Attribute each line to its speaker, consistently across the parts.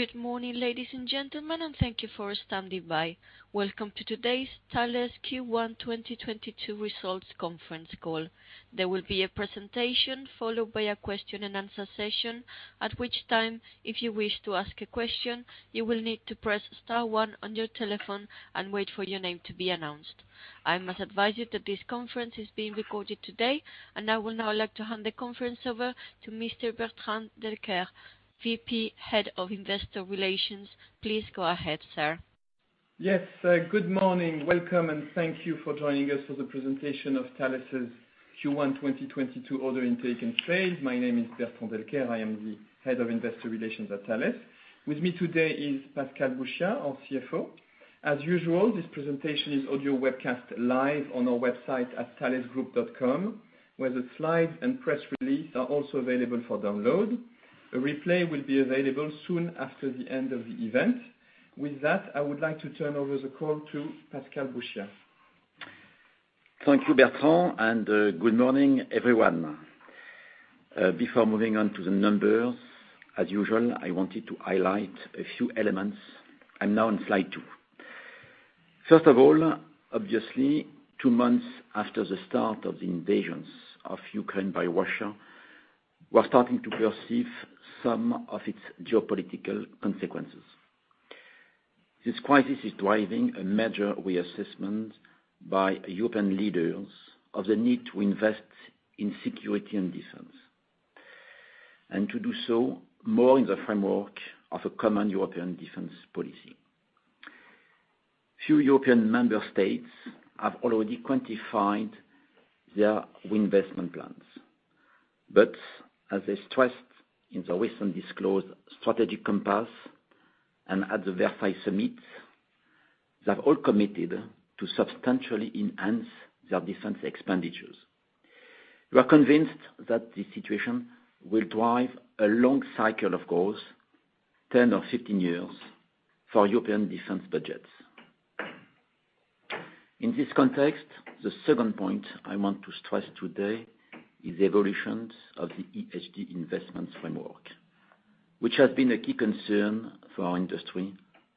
Speaker 1: Good morning, ladies and gentlemen, and thank you for standing by. Welcome to today's Thales Q1 2022 Results conference call. There will be a presentation followed by a question and answer session, at which time, if you wish to ask a question, you will need to press star one on your telephone and wait for your name to be announced. I must advise you that this conference is being recorded today. I would now like to hand the conference over to Mr. Bertrand Delcaire, VP, Head of Investor Relations. Please go ahead, sir.
Speaker 2: Yes. Good morning, welcome, and thank you for joining us for the presentation of Thales's Q1 2022 order intake and sales. My name is Bertrand Delcaire. I am the head of investor relations at Thales. With me today is Pascal Bouchiat, our CFO. As usual, this presentation is audio webcast live on our website at thalesgroup.com, where the slides and press release are also available for download. A replay will be available soon after the end of the event. With that, I would like to turn over the call to Pascal Bouchiat.
Speaker 3: Thank you, Bertrand, and good morning, everyone. Before moving on to the numbers, as usual, I wanted to highlight a few elements. I'm now on slide two. First of all, obviously, two months after the start of the invasions of Ukraine by Russia, we're starting to perceive some of its geopolitical consequences. This crisis is driving a major reassessment by European leaders of the need to invest in security and defense, and to do so more in the framework of a common European defense policy. Few European member states have already quantified their investment plans. As they stressed in the recent disclosed Strategic Compass and at the Versailles summits, they've all committed to substantially enhance their defense expenditures. We are convinced that this situation will drive a long cycle of growth, 10 or 15 years, for European defense budgets. In this context, the second point I want to stress today is the evolutions of the ESG investment framework, which has been a key concern for our industry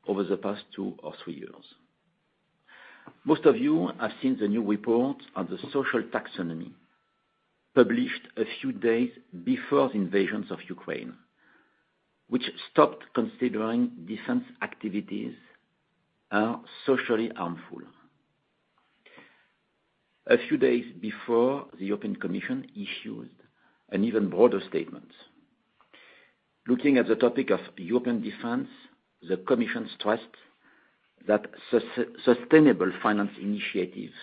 Speaker 3: over the past two or three years. Most of you have seen the new report on the social taxonomy, published a few days before the invasion of Ukraine, which stopped considering defense activities as socially harmful. A few days before, the European Commission issued an even broader statement. Looking at the topic of European defense, the Commission stressed that sustainable finance initiatives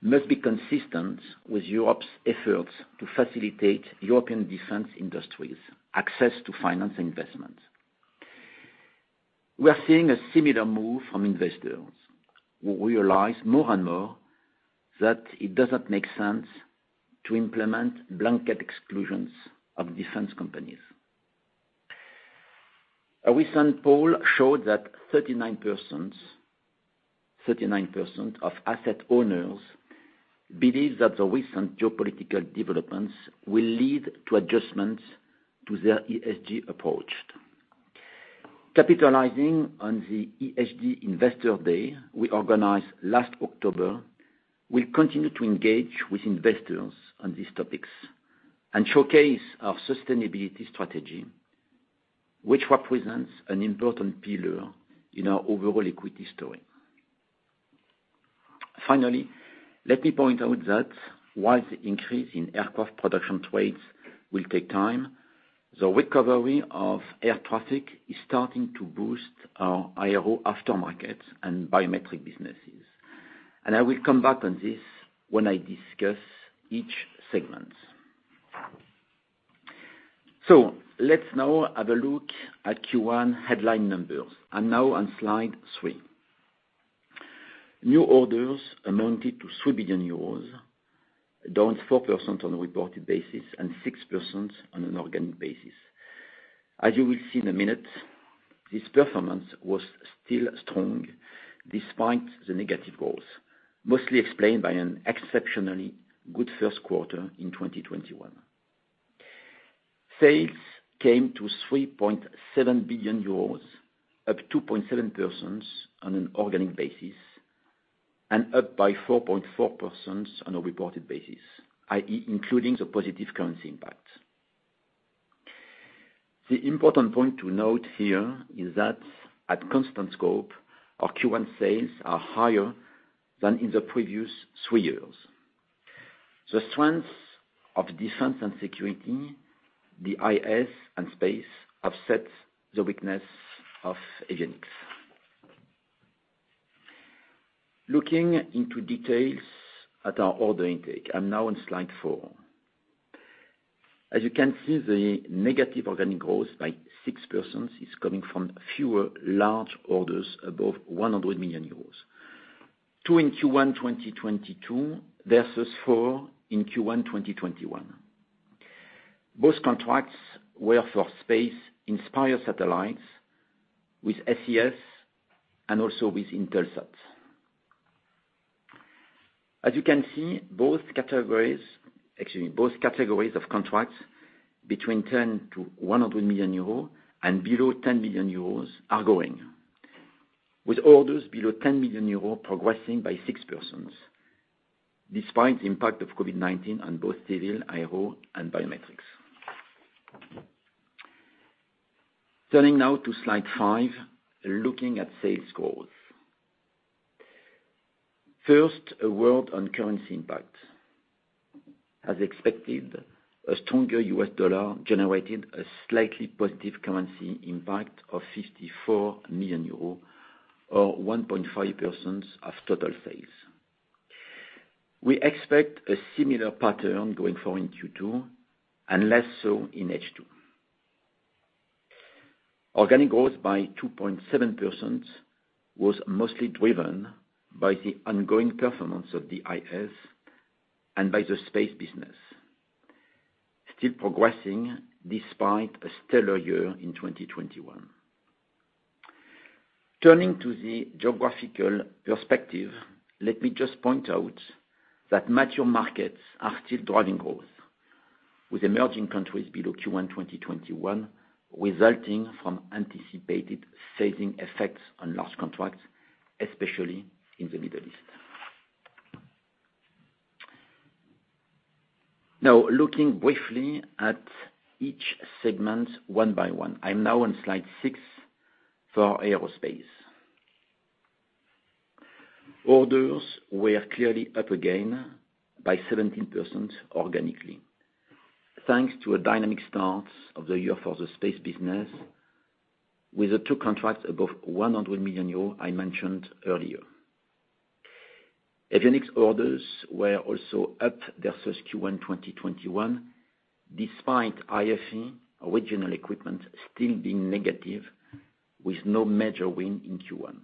Speaker 3: must be consistent with Europe's efforts to facilitate European defense industries' access to financial investments. We are seeing a similar move from investors, who realize more and more that it doesn't make sense to implement blanket exclusions of defense companies. A recent poll showed that 39%, 39% of asset owners believe that the recent geopolitical developments will lead to adjustments to their ESG approach. Capitalizing on the ESG Investor Day we organized last October, we continue to engage with investors on these topics and showcase our sustainability strategy, which represents an important pillar in our overall equity story. Finally, let me point out that while the increase in aircraft production trades will take time, the recovery of air traffic is starting to boost our Aero after-market and biometric businesses. I will come back on this when I discuss each segment. Let's now have a look at Q1 headline numbers. I'm now on slide three. New orders amounted to 3 billion euros, down 4% on a reported basis and 6% on an organic basis. As you will see in a minute, this performance was still strong despite the negative growth, mostly explained by an exceptionally good first quarter in 2021. Sales came to 3.7 billion euros, up 2.7% on an organic basis, and up by 4.4% on a reported basis, i.e., including the positive currency impact. The important point to note here is that at constant scope, our Q1 sales are higher than in the previous three years. The strength of defense and security, the DIS, and space offset the weakness of Avionics. Looking into details at our order intake, I'm now on slide four. As you can see, the negative organic growth of 6% is coming from fewer large orders above 100 million euros. Two in Q1 2022 versus four in Q1 2021. Both contracts were for Space INSPIRE satellites with SES and also with Intelsat. As you can see, both categories, actually both categories of contracts between 10 million-100 million euros and below 10 million euros are growing. With orders below 10 million euros progressing by 6%, despite the impact of COVID-19 on both civil, aero, and biometrics. Turning now to slide 5, looking at sales growth. First, a word on currency impact. As expected, a stronger U.S. dollar generated a slightly positive currency impact of 54 million euros or 1.5% of total sales. We expect a similar pattern going forward in Q2 and less so in H2. Organic growth by 2.7% was mostly driven by the ongoing performance of the DIS and by the space business, still progressing despite a stellar year in 2021. Turning to the geographical perspective, let me just point out that mature markets are still driving growth, with emerging countries below Q1 2021, resulting from anticipated saving effects on large contracts, especially in the Middle East. Now looking briefly at each segment one by one. I'm now on slide six for aerospace. Orders were clearly up again by 17% organically, thanks to a dynamic start of the year for the space business with the two contracts above 100 million euros I mentioned earlier. Avionics orders were also up versus Q1 2021, despite IFE original equipment still being negative with no major win in Q1.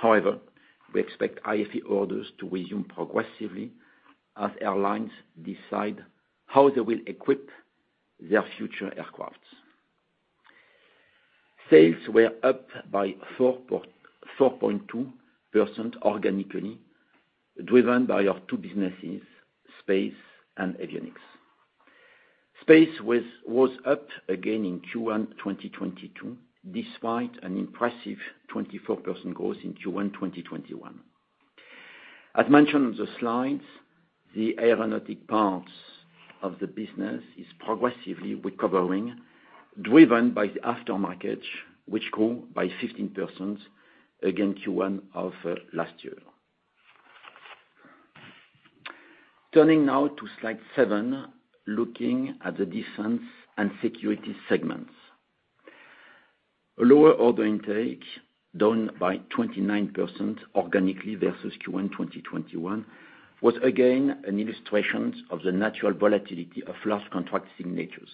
Speaker 3: However, we expect IFE orders to resume progressively as airlines decide how they will equip their future aircraft. Sales were up by 4.2% organically, driven by our two businesses, space and avionics. Space was up again in Q1 2022, despite an impressive 24% growth in Q1 2021. As mentioned on the slides, the aeronautic parts of the business is progressively recovering, driven by the aftermarket, which grew by 15% against Q1 of last year. Turning now to slide seven, looking at the defense and security segments. A lower order intake, down by 29% organically versus Q1 2021, was again an illustration of the natural volatility of large contract signatures.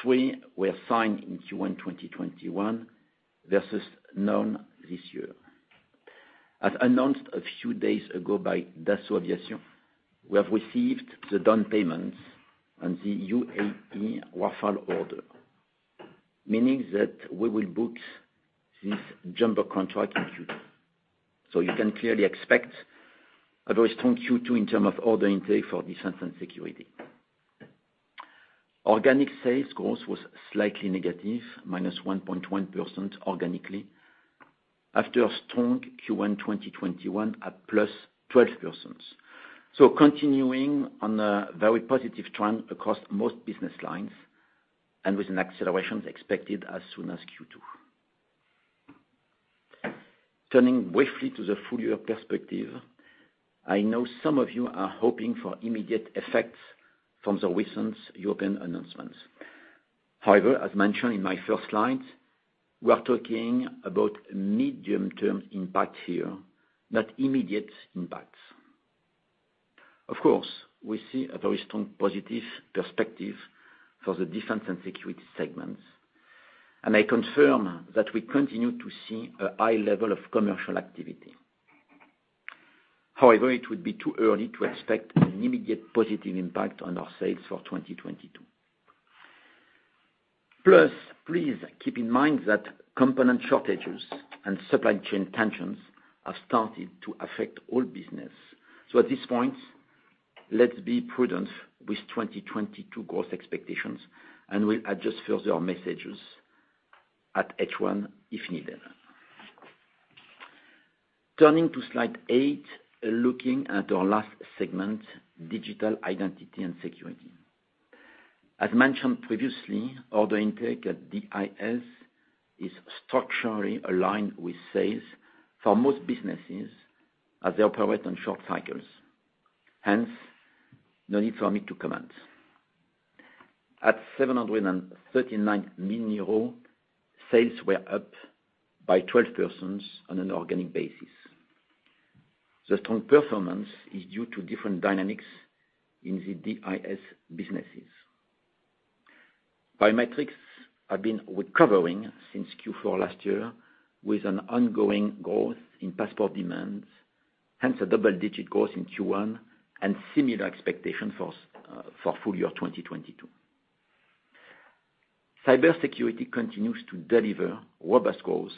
Speaker 3: Three were signed in Q1 2021 versus none this year. As announced a few days ago by Dassault Aviation, we have received the down payments on the UAE Rafale order, meaning that we will book this jumbo contract in Q2. You can clearly expect a very strong Q2 in terms of order intake for defense and security. Organic sales growth was slightly negative, -1.1% organically after a strong Q1 2021 at +12%. Continuing on a very positive trend across most business lines and with an acceleration expected as soon as Q2. Turning briefly to the full-year perspective, I know some of you are hoping for immediate effects from the recent European announcements. However, as mentioned in my first slide, we are talking about medium-term impact here, not immediate impacts. Of course, we see a very strong positive perspective for the defense and security segments, and I confirm that we continue to see a high level of commercial activity. However, it would be too early to expect an immediate positive impact on our sales for 2022. Plus, please keep in mind that component shortages and supply chain tensions have started to affect all business. At this point, let's be prudent with 2022 growth expectations, and we'll adjust further our messages at H1 if needed. Turning to slide eight, looking at our last segment, Digital Identity and Security. As mentioned previously, order intake at DIS is structurally aligned with sales for most businesses as they operate on short cycles, hence no need for me to comment. At 739 million euros, sales were up by 12% on an organic basis. The strong performance is due to different dynamics in the DIS businesses. Biometrics have been recovering since Q4 last year with an ongoing growth in passport demands, hence a double-digit growth in Q1 and similar expectation for full year 2022. Cybersecurity continues to deliver robust growth,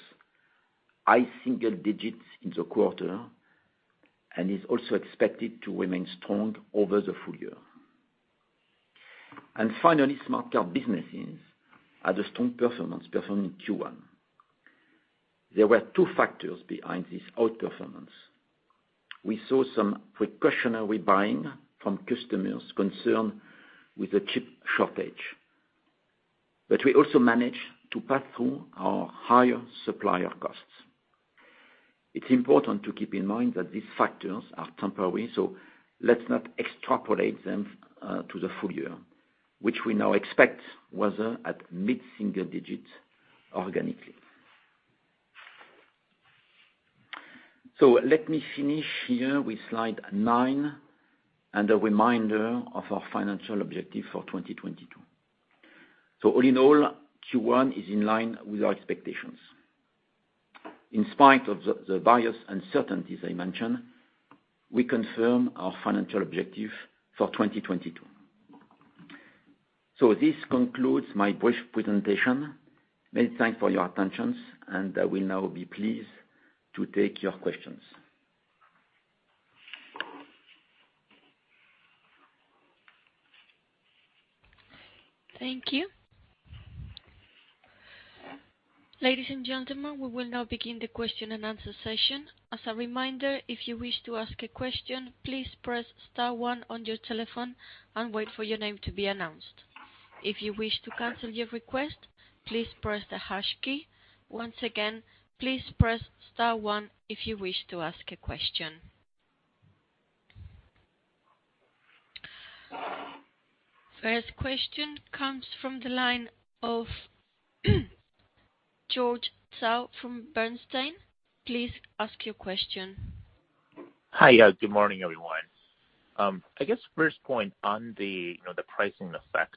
Speaker 3: high single digits in the quarter, and is also expected to remain strong over the full year. Finally, smart card businesses had a strong performance in Q1. There were two factors behind this outperformance. We saw some precautionary buying from customers concerned with the chip shortage, but we also managed to pass through our higher supplier costs. It's important to keep in mind that these factors are temporary, so let's not extrapolate them to the full year, which we now expect was at mid-single digits organically. Let me finish here with slide nine and a reminder of our financial objective for 2022. All in all, Q1 is in line with our expectations. In spite of the various uncertainties I mentioned, we confirm our financial objective for 2022. This concludes my brief presentation. Many thanks for your attention, and I will now be pleased to take your questions.
Speaker 1: Thank you. Ladies and gentlemen, we will now begin the question and answer session. As a reminder, if you wish to ask a question, please press star one on your telephone and wait for your name to be announced. If you wish to cancel your request, please press the hash key. Once again, please press star one if you wish to ask a question. First question comes from the line of George Zhao from Bernstein. Please ask your question.
Speaker 4: Hi. Good morning, everyone. I guess first point on the, you know, the pricing effect,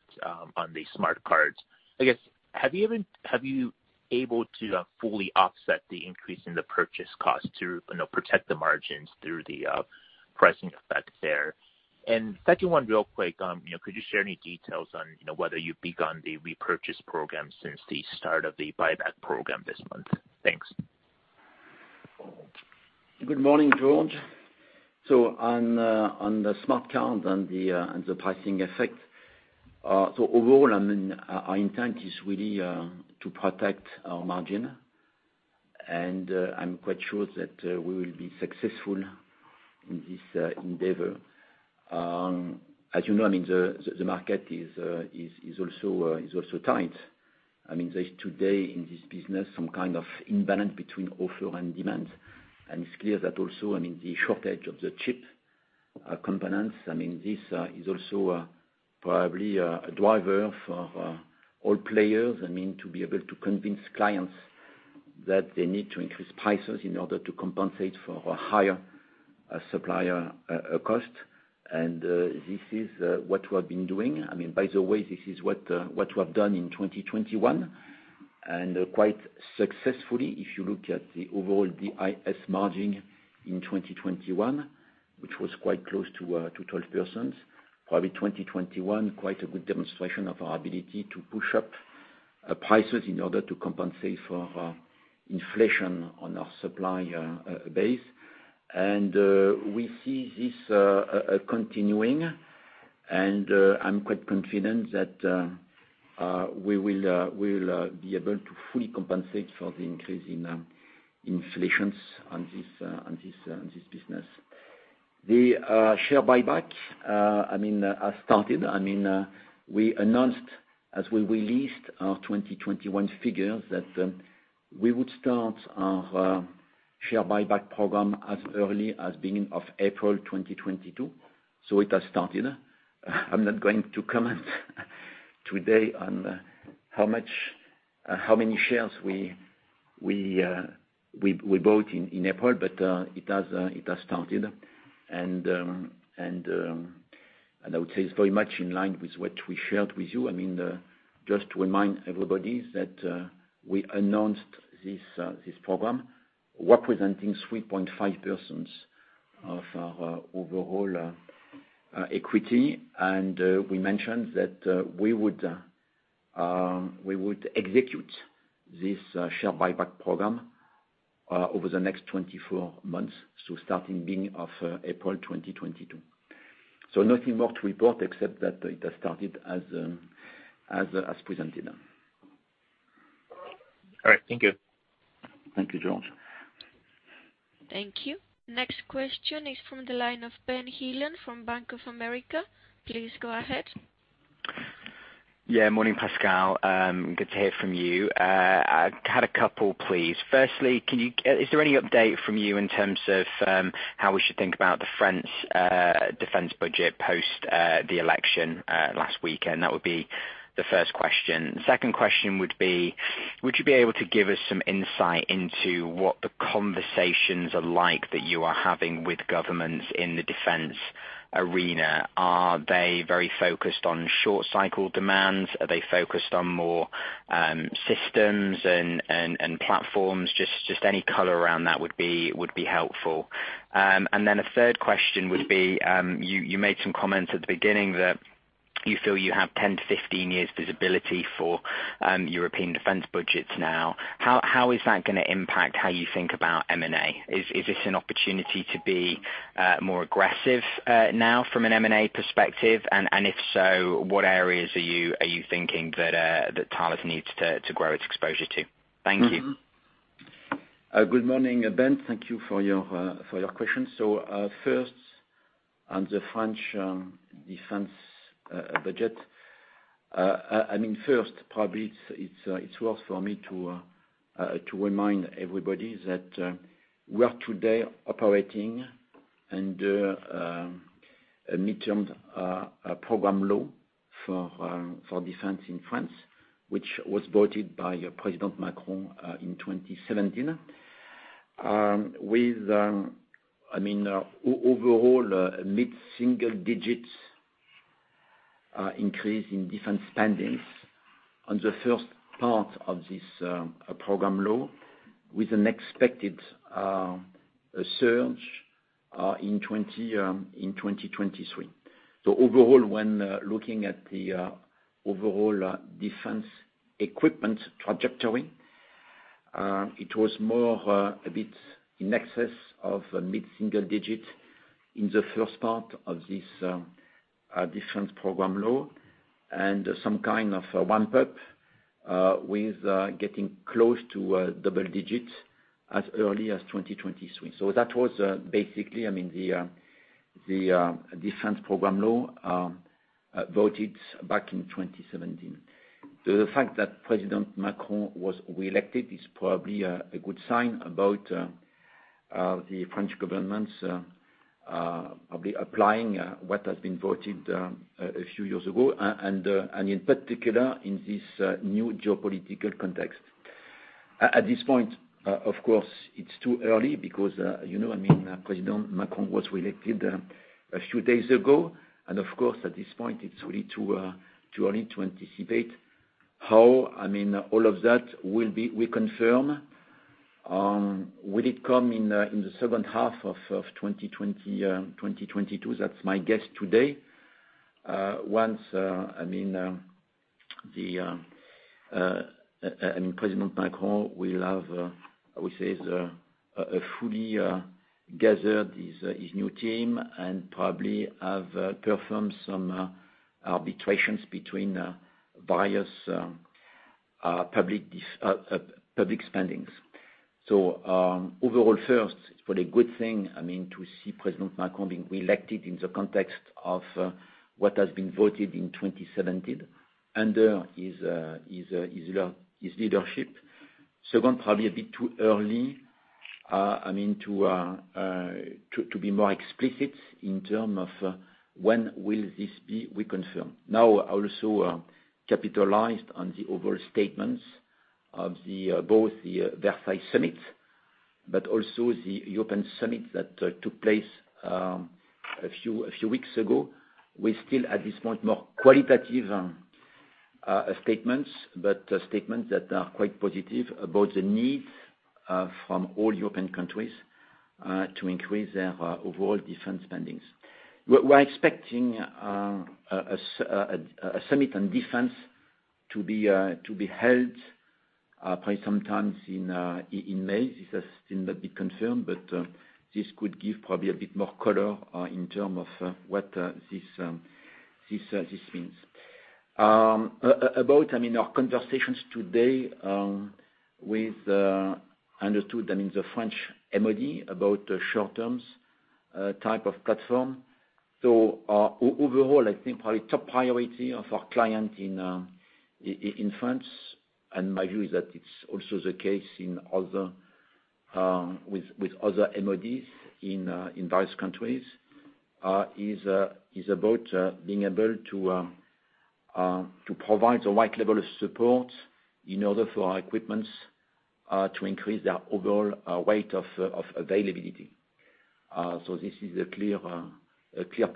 Speaker 4: on the smart cards. I guess, have you been able to fully offset the increase in the purchase cost to, you know, protect the margins through the pricing effect there? Second one real quick, you know, could you share any details on, you know, whether you've begun the repurchase program since the start of the buyback program this month? Thanks.
Speaker 3: Good morning, George. On the smart card and the pricing effect, overall, I mean, our intent is really to protect our margin. I'm quite sure that we will be successful in this endeavor. As you know, I mean, the market is also tight. I mean, there's today in this business some kind of imbalance between supply and demand. It's clear that also, I mean, the shortage of the chip components, I mean, this is also probably a driver for all players, I mean, to be able to convince clients that they need to increase prices in order to compensate for a higher supplier cost. This is what we have been doing. I mean, by the way, this is what we have done in 2021, and quite successfully, if you look at the overall DIS margin in 2021, which was quite close to 12%. Probably 2021, quite a good demonstration of our ability to push up prices in order to compensate for inflation on our supplier base. We see this continuing, and I'm quite confident that we will be able to fully compensate for the increase in inflation on this business. The share buyback, I mean, has started. I mean, we announced, as we released our 2021 figures, that we would start our share buyback program as early as beginning of April 2022. It has started. I'm not going to comment today on how many shares we bought in April, but it has started. I would say it's very much in line with what we shared with you. I mean, just to remind everybody that we announced this program representing 3.5% of our overall equity. We mentioned that we would execute this share buyback program over the next 24 months, so starting beginning of April 2022. Nothing more to report except that it has started as presented.
Speaker 4: All right. Thank you.
Speaker 3: Thank you, George.
Speaker 1: Thank you. Next question is from the line of Ben Heelan from Bank of America. Please go ahead.
Speaker 5: Yeah. Morning, Pascal. Good to hear from you. I had a couple please. Firstly, is there any update from you in terms of how we should think about the French defense budget post the election last week? That would be the first question. Second question would be, would you be able to give us some insight into what the conversations are like that you are having with governments in the defense arena? Are they very focused on short cycle demands? Are they focused on more systems and platforms? Just any color around that would be helpful. A third question would be, you made some comments at the beginning that you feel you have 10-15 years visibility for European defense budgets now. How is that gonna impact how you think about M&A? Is this an opportunity to be more aggressive now from an M&A perspective? If so, what areas are you thinking that Thales needs to grow its exposure to? Thank you.
Speaker 3: Good morning, Ben. Thank you for your questions. First on the French defense budget. I mean, first probably it's worth for me to remind everybody that we are today operating under a medium-term programming law for defense in France, which was voted by President Macron in 2017. With, I mean, overall mid-single digits increase in defense spending on the first part of this programming law, with an expected surge in 2023. Overall, when looking at the overall defense equipment trajectory, it was more a bit in excess of a mid-single digit in the first part of this Military Programming Law and some kind of a ramp up with getting close to double digits as early as 2023. That was basically, I mean, the Military Programming Law voted back in 2017. The fact that President Macron was reelected is probably a good sign about the French government probably applying what has been voted a few years ago, and in particular in this new geopolitical context. At this point, of course, it's too early because, you know, I mean, President Macron was reelected a few days ago, and of course, at this point it's really too early to anticipate how, I mean, all of that will be reconfirmed. Will it come in the second half of 2022? That's my guess today. Once, I mean, President Macron will have, I would say, fully gathered his new team and probably have performed some arbitrations between various public spending. Overall first, it's probably a good thing, I mean, to see President Macron being reelected in the context of what has been voted in 2017 under his leadership. Second, probably a bit too early, I mean to be more explicit in terms of when will this be reconfirmed. Now, also, capitalized on the overall statements of both the Versailles summit, but also the European summit that took place a few weeks ago. We're still at this point more qualitative statements, but statements that are quite positive about the needs from all European countries to increase their overall defense spending. We're expecting a summit on defense to be held probably sometime in May. This has still not been confirmed, but this could give probably a bit more color in terms of what this means. About, I mean, our conversations today with the French MOD about the short-term type of platform. Overall, I think probably top priority of our clients in France, and my view is that it's also the case with other MODs in various countries is about being able to provide the right level of support in order for our equipments to increase their overall rate of availability. This is a clear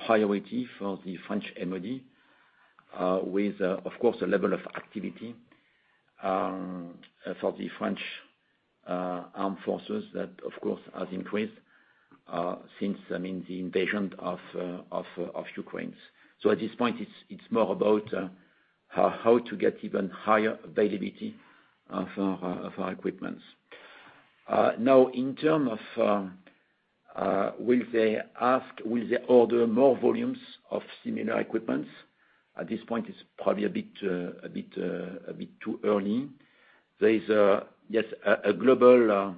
Speaker 3: priority for the French MOD, with of course the level of activity for the French armed forces that of course has increased since, I mean, the invasion of Ukraine. At this point, it's more about how to get even higher availability of our equipment. Now in terms of will they order more volumes of similar equipment? At this point, it's probably a bit too early. There is, yes, a global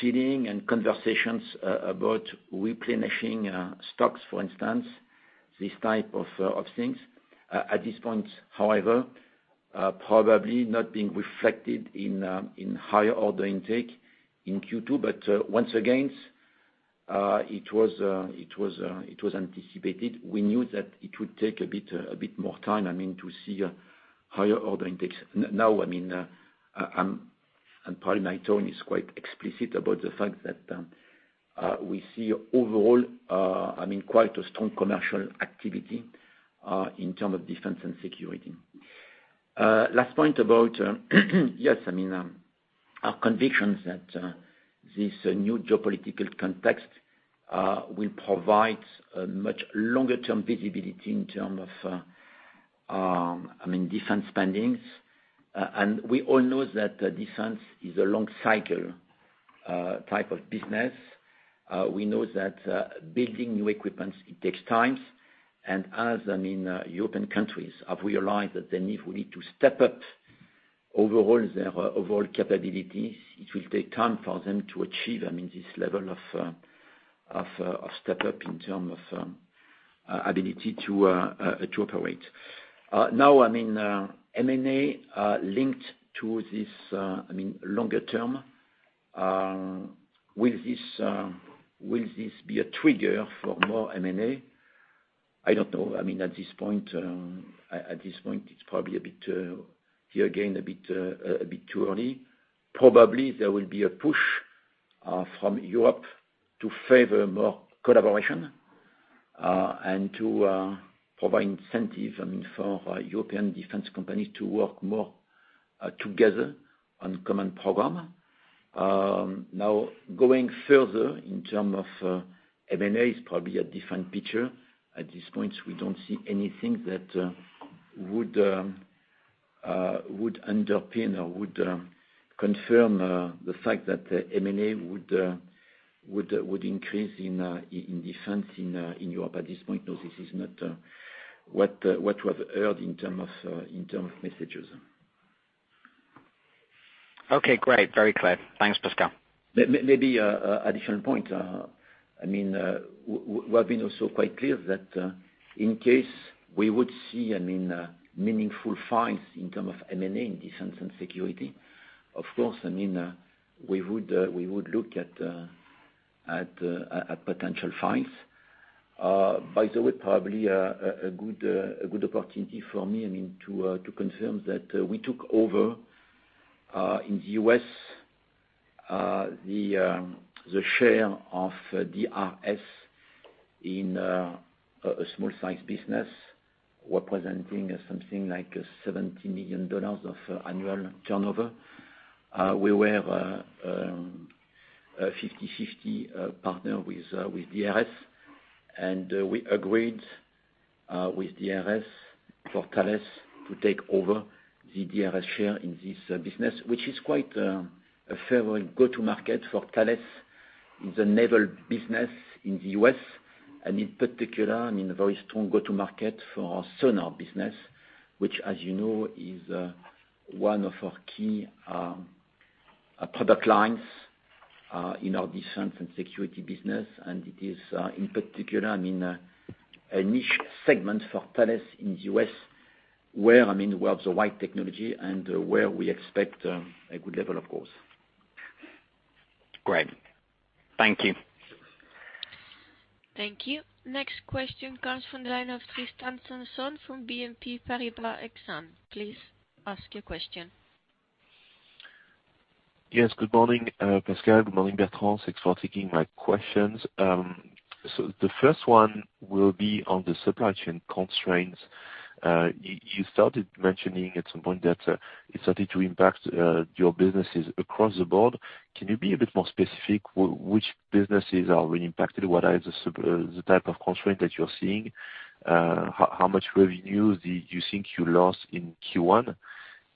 Speaker 3: feeling and conversations about replenishing stocks, for instance, this type of things. At this point, however, probably not being reflected in higher order intake in Q2, but once again, it was anticipated. We knew that it would take a bit more time, I mean, to see a higher order intake. Now, I mean, probably my tone is quite explicit about the fact that we see overall, I mean, quite a strong commercial activity in terms of defense and security. Last point about yes, I mean, our convictions that this new geopolitical context will provide a much longer term visibility in terms of, I mean, defense spending. We all know that the defense is a long cycle type of business. We know that building new equipment, it takes time. As I mean European countries have realized that we need to step up their overall capabilities, it will take time for them to achieve I mean this level of step up in terms of ability to operate. Now I mean M&A linked to this I mean longer term will this be a trigger for more M&A? I don't know. I mean at this point it's probably a bit here again a bit too early. Probably there will be a push from Europe to favor more collaboration and to provide incentive I mean for European defense companies to work more together on common program. Now going further in terms of M&A is probably a different picture. At this point, we don't see anything that would underpin or would confirm the fact that the M&A would increase in defense in Europe at this point. No, this is not what we have heard in terms of messages.
Speaker 5: Okay, great. Very clear. Thanks, Pascal.
Speaker 3: Maybe additional point. I mean, we've been also quite clear that in case we would see, I mean, meaningful bids in terms of M&A in defense and security, of course, I mean, we would look at potential bids. By the way, probably a good opportunity for me, I mean, to confirm that we took over in the U.S. the share of DRS in a small size business representing something like $70 million of annual turnover. We were a 50/50 partner with DRS, and we agreed with DRS for Thales to take over the DRS share in this business, which is quite a favorable go-to-market for Thales in the naval business in the U.S., and in particular, I mean, a very strong go-to-market for our sonar business, which as you know, is one of our key product lines in our defense and security business. It is in particular, I mean, a niche segment for Thales in the U.S., where, I mean, we have the right technology and where we expect a good level, of course.
Speaker 5: Great. Thank you.
Speaker 1: Thank you. Next question comes from the line of Tristan Sanson from BNP Paribas Exane. Please ask your question.
Speaker 6: Yes, good morning, Pascal. Good morning, Bertrand. Thanks for taking my questions. The first one will be on the supply chain constraints. You started mentioning at some point that it started to impact your businesses across the board. Can you be a bit more specific which businesses are really impacted? What are the type of constraint that you're seeing? How much revenue do you think you lost in Q1?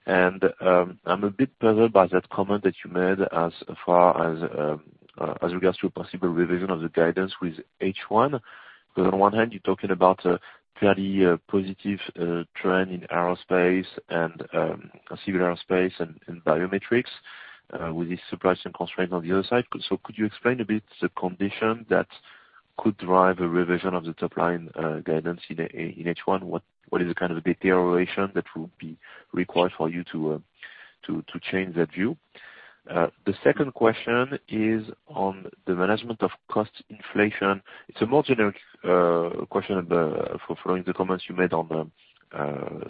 Speaker 6: And I'm a bit puzzled by that comment that you made as far as as regards to a possible revision of the guidance with H1. Because on one hand you're talking about a fairly positive trend in aerospace and civil aerospace and biometrics with this supply chain constraint on the other side. Could you explain a bit the condition that could drive a revision of the top line guidance in H1? What is the kind of deterioration that would be required for you to change that view? The second question is on the management of cost inflation. It's a more generic question about following the comments you made on the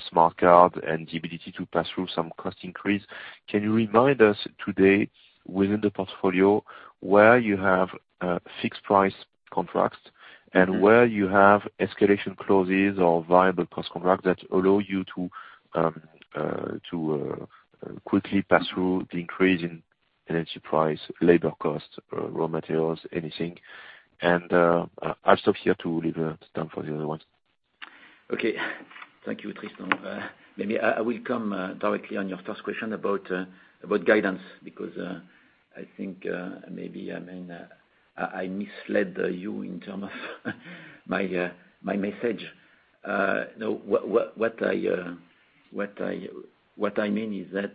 Speaker 6: smart card and the ability to pass through some cost increase. Can you remind us today, within the portfolio, where you have fixed price contracts and where you have escalation clauses or variable cost contracts that allow you to quickly pass through the increase in energy, labor costs, raw materials, anything? I'll stop here to leave time for the other ones.
Speaker 3: Okay. Thank you, Tristan. Maybe I will come directly on your first question about guidance because I think maybe I mean I misled you in terms of my message. No. What I mean is that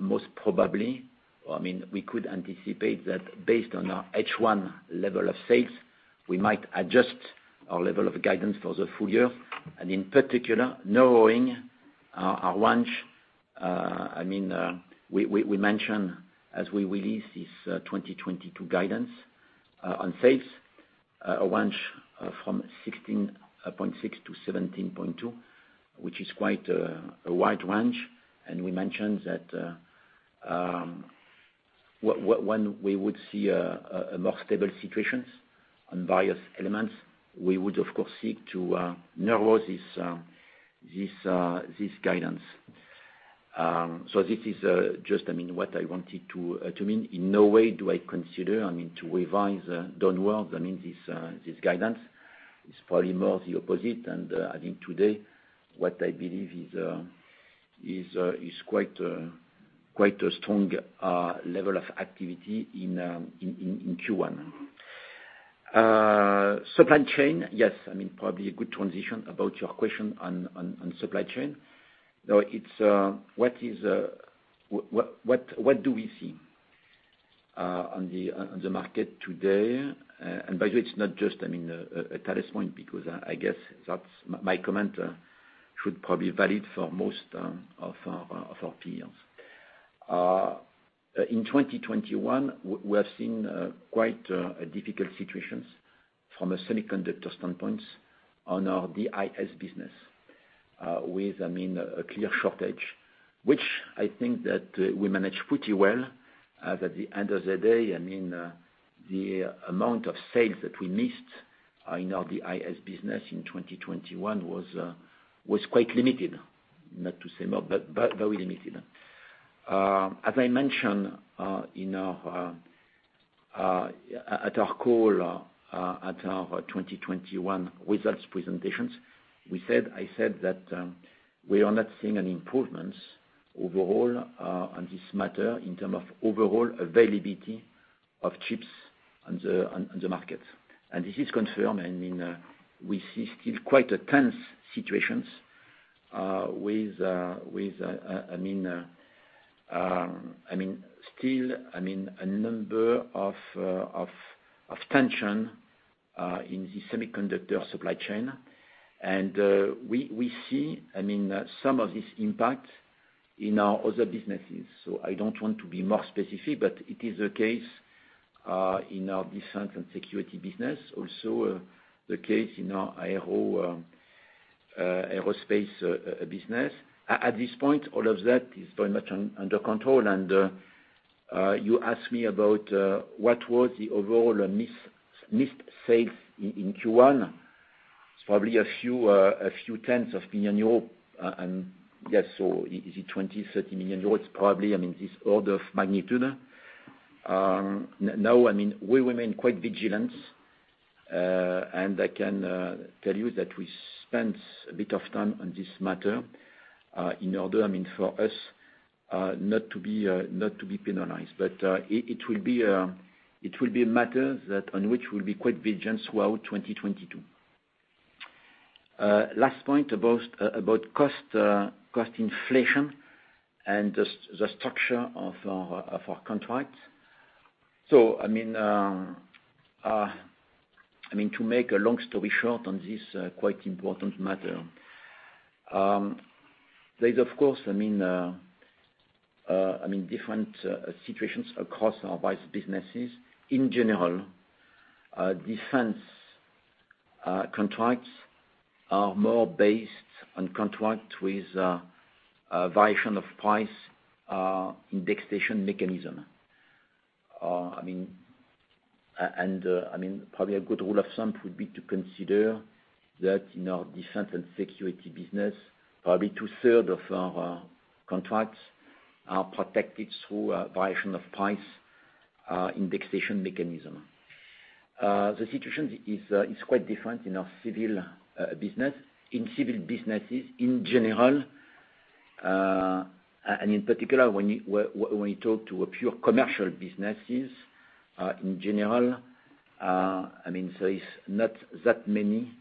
Speaker 3: most probably, or I mean, we could anticipate that based on our H1 level of sales, we might adjust our level of guidance for the full year and in particular narrowing our range. I mean, we mentioned as we release this 2022 guidance on sales a range from 16.6-17.2, which is quite a wide range. We mentioned that when we would see a more stable situation on various elements, we would of course seek to narrow this guidance. This is just, I mean, what I wanted to mean. In no way do I consider, I mean, to revise downward, I mean, this guidance. It's probably more the opposite, and I think today what I believe is quite a strong level of activity in Q1. Supply chain, yes, I mean, probably a good transition about your question on supply chain. Now it's what do we see on the market today? By the way, it's not just, I mean, a Thales point, because I guess that's my comment should probably be valid for most of our peers. In 2021 we're seeing quite a difficult situation from a semiconductor standpoint on our DIS business. With, I mean, a clear shortage, which I think we managed pretty well. But at the end of the day, I mean, the amount of sales that we missed in our DIS business in 2021 was quite limited. Not to say more, but very limited. As I mentioned at our 2021 results presentations, we said. I said that we are not seeing an improvement overall on this matter in terms of overall availability of chips on the market. This is confirmed. I mean, we still see quite tense situations with a number of tensions in the semiconductor supply chain. We see, I mean, some of this impact in our other businesses. I don't want to be more specific, but it is the case in our defense and security business, also the case in our aerospace business. At this point, all of that is very much under control. You asked me about what was the overall missed sales in Q1. It's probably a few tenths of a million euro, and yes, so is it 20-30 million euros? Probably, I mean, this order of magnitude. Now, I mean, we remain quite vigilant, and I can tell you that we spent a bit of time on this matter, in order, I mean, for us not to be penalized. It will be a matter on which we'll be quite vigilant throughout 2022. Last point about cost inflation and the structure of our contracts. I mean, to make a long story short on this quite important matter, there is of course, I mean, different situations across our various businesses. In general, defense contracts are more based on contracts with a variation of price indexation mechanism. I mean, probably a good rule of thumb would be to consider that in our defense and security business probably two-thirds of our contracts are protected through a variation of price indexation mechanism. The situation is quite different in our civil business. In civil businesses in general, and in particular, when you talk to purely commercial businesses, in general, I mean, there is not that many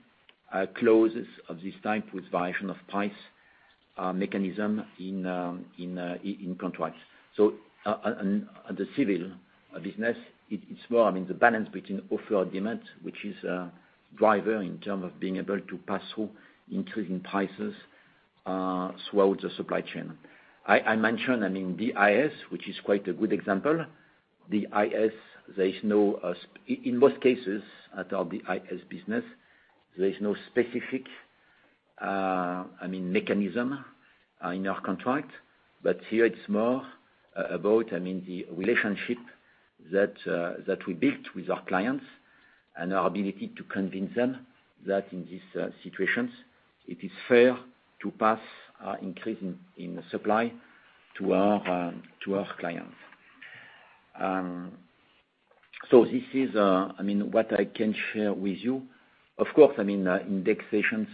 Speaker 3: clauses of this type with variation of price mechanism in contracts. On the civil business, it's more, I mean, the balance between offer or demand, which is a driver in terms of being able to pass through increasing prices throughout the supply chain. I mentioned, I mean, DIS, which is quite a good example. In DIS, in most cases throughout the DIS business, there is no specific mechanism in our contracts, but here it's more about the relationship that we built with our clients and our ability to convince them that in these situations it is fair to pass our increase in supply to our clients. This is what I can share with you. Of course, indexation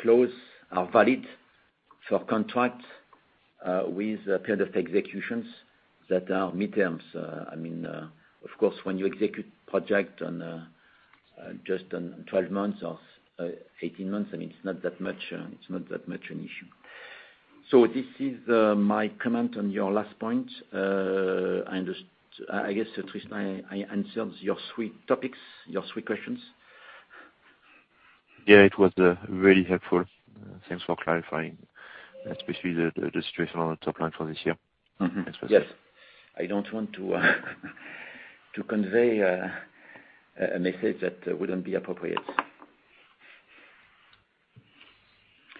Speaker 3: clauses are valid for contracts with a period of execution that are mid-terms. I mean, of course, when you execute project on just on 12 months or 18 months, I mean, it's not that much an issue. This is my comment on your last point. I guess, Tristan, I answered your three topics, your three questions.
Speaker 6: Yeah, it was very helpful. Thanks for clarifying, especially the situation on the top line for this year.
Speaker 3: Mm-hmm.
Speaker 6: That's best.
Speaker 3: Yes. I don't want to convey a message that wouldn't be appropriate.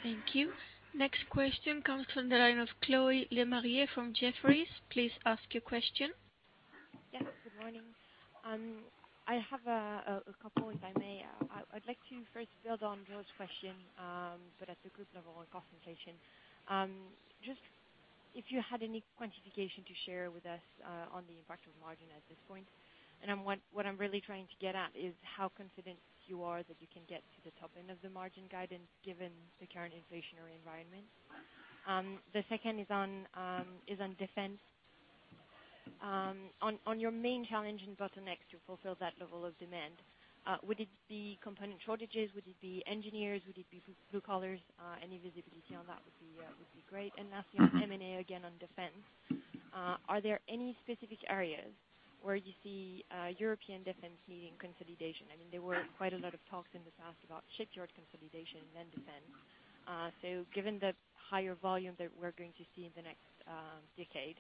Speaker 1: Thank you. Next question comes from the line of Chloé Lemarié from Jefferies. Please ask your question.
Speaker 7: Yes, good morning. I have a couple if I may. I'd like to first build on George's question, but at the group level and concentration. Just if you had any quantification to share with us, on the impact of margin at this point. I'm what I'm really trying to get at is how confident you are that you can get to the top end of the margin guidance given the current inflationary environment. The second is on defense, on your main challenge in bottleneck to fulfill that level of demand, would it be component shortages? Would it be engineers? Would it be blue collars? Any visibility on that would be great. Lastly on M&A, again on defense, are there any specific areas where you see European defense needing consolidation? I mean, there were quite a lot of talks in the past about shipyard consolidation and then defense. Given the higher volume that we're going to see in the next decade,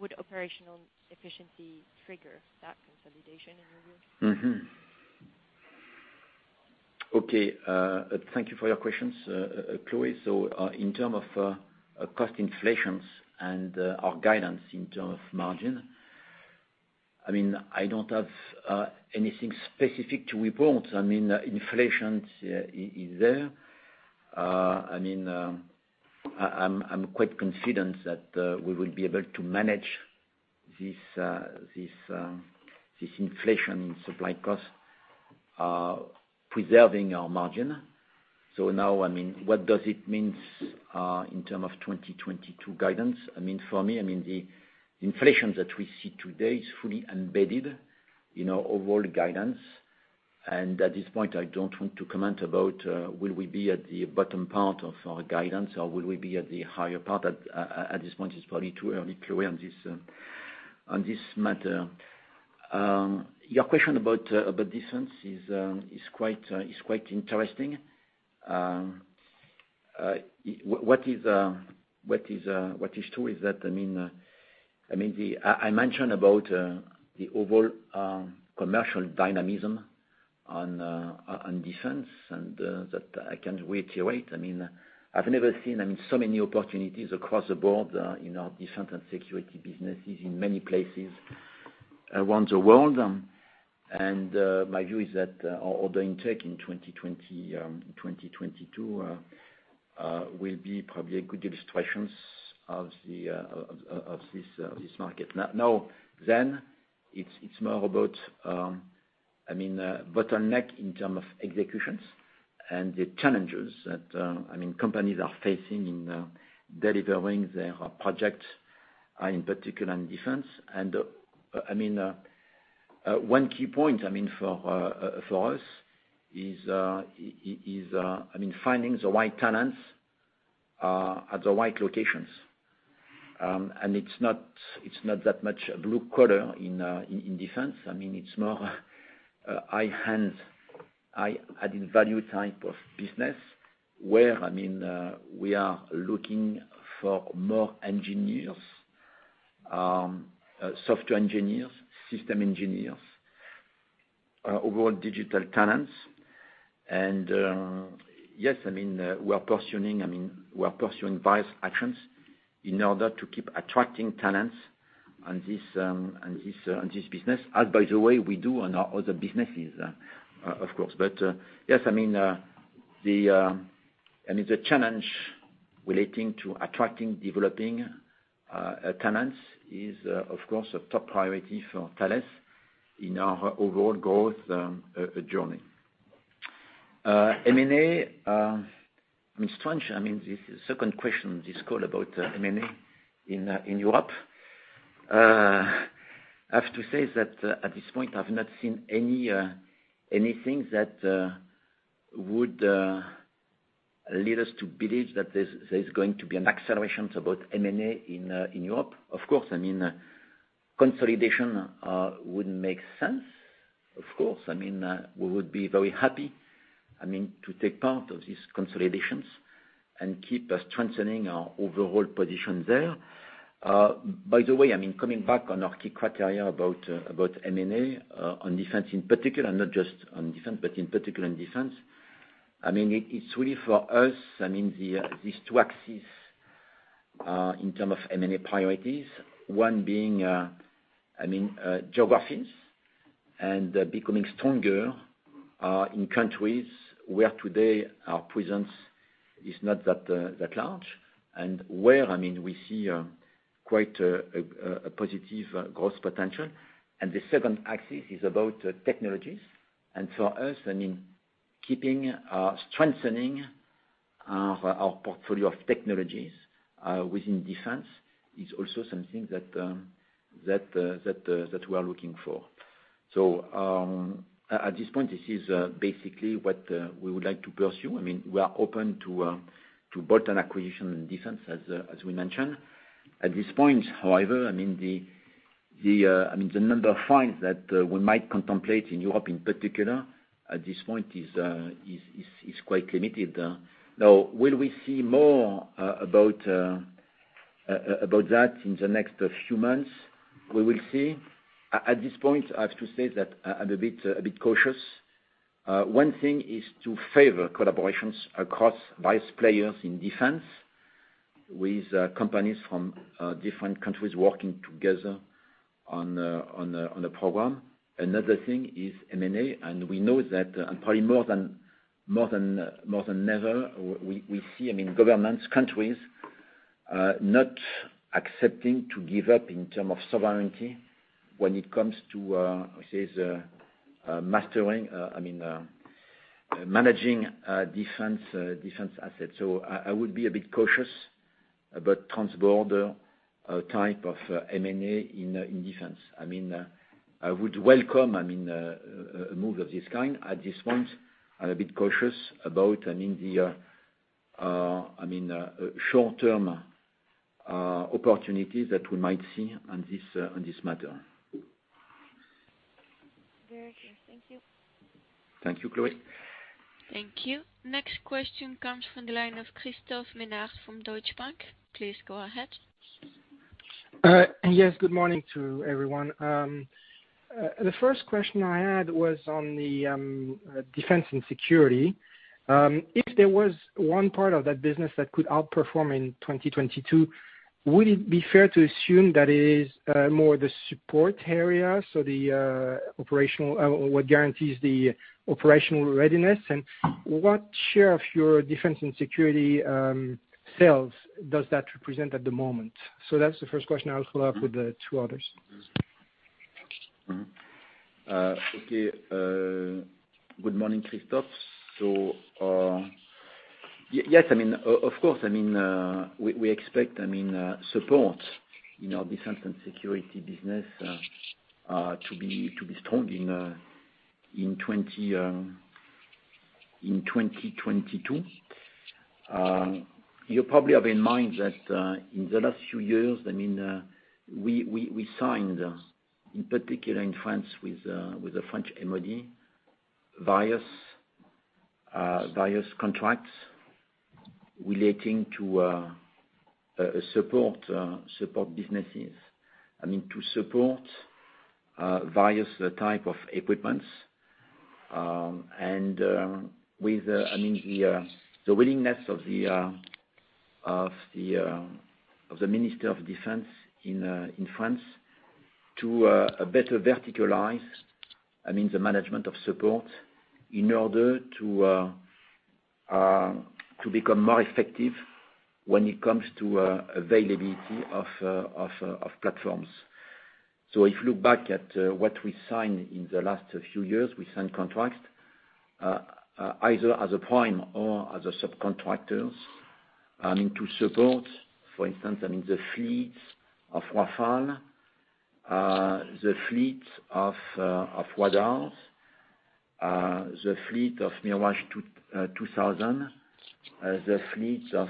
Speaker 7: would operational efficiency trigger that consolidation in your view?
Speaker 3: Thank you for your questions, Chloé. In terms of cost inflation and our guidance in terms of margin, I mean, I don't have anything specific to report. I mean, inflation is there. I mean, I'm quite confident that we will be able to manage this inflation supply cost, preserving our margin. Now, I mean, what does it mean in terms of 2022 guidance? I mean, for me, I mean, the inflation that we see today is fully embedded in our overall guidance. At this point, I don't want to comment about will we be at the bottom part of our guidance, or will we be at the higher part. At this point, it's probably too early, Chloé Lemarié, on this matter. Your question about defense is quite interesting. What is true is that, I mean, I mentioned about the overall commercial dynamism on defense and that I can reiterate. I mean, I've never seen so many opportunities across the board in our defense and security businesses in many places around the world. My view is that our order intake in 2022 will be probably a good illustration of this market. Now it's more about bottlenecks in terms of executions and the challenges that companies are facing in delivering their projects, in particular in defense. One key point for us is finding the right talent at the right locations. It's not that much a blue-collar in defense. I mean, it's more high-end, high added value type of business where we are looking for more engineers, software engineers, system engineers, overall digital talent. Yes, I mean, we are pursuing various actions in order to keep attracting talents on this business as, by the way, we do on our other businesses, of course. Yes, I mean, the challenge relating to attracting, developing talents is, of course, a top priority for Thales in our overall growth journey. M&A, it's strange, I mean, this is the second question this call about M&A in Europe. I have to say that at this point, I've not seen anything that would lead us to believe that there's going to be an acceleration in M&A in Europe. Of course, I mean, consolidation would make sense, of course. I mean, we would be very happy, I mean, to take part of these consolidations and keep us strengthening our overall position there. By the way, I mean, coming back on our key criteria about M&A, on defense in particular, not just on defense, but in particular in defense, I mean, it's really for us, I mean, these two axes in term of M&A priorities, one being, I mean, geographies and becoming stronger in countries where today our presence is not that large and where, I mean, we see quite a positive growth potential. The second axis is about technologies. For us, I mean, strengthening our portfolio of technologies within defense is also something that we are looking for. At this point, this is basically what we would like to pursue. I mean, we are open to both acquisitions in defense as we mentioned. At this point, however, I mean, the number of firms that we might contemplate in Europe in particular at this point is quite limited. Now, will we see more about that in the next few months, we will see. At this point, I have to say that I'm a bit cautious. One thing is to favor collaborations across various players in defense with companies from different countries working together on a program. Another thing is M&A, and we know that, and probably more than ever, we see, I mean, governments, countries not accepting to give up in terms of sovereignty when it comes to, let's say the managing defense assets. I would be a bit cautious about transborder type of M&A in defense. I mean, I would welcome a move of this kind. At this point, I'm a bit cautious about, I mean, the short-term opportunities that we might see on this matter.
Speaker 7: Very clear. Thank you.
Speaker 3: Thank you, Chloé.
Speaker 1: Thank you. Next question comes from the line of Christophe Menard from Deutsche Bank. Please go ahead.
Speaker 8: Yes. Good morning to everyone. The first question I had was on the defense and security. If there was one part of that business that could outperform in 2022, would it be fair to assume that it is more the support area, so the operational or what guarantees the operational readiness? And what share of your defense and security sales does that represent at the moment? That's the first question. I'll follow up with the two others.
Speaker 3: Good morning, Christophe. Yes, of course, I mean, we expect, I mean, support in our defense and security business to be strong in 2022. You probably have in mind that in the last few years, I mean, we signed, in particular in France with the French MOD, various contracts relating to support businesses, I mean, to support various types of equipment. With the willingness of the Minister of Defense in France to better verticalize the management of support in order to become more effective when it comes to availability of platforms. If you look back at what we signed in the last few years, we signed contracts either as a prime or as a subcontractors, I mean, to support, for instance, I mean, the fleets of Rafale, the fleet of radars, the fleet of Mirage 2000, the fleet of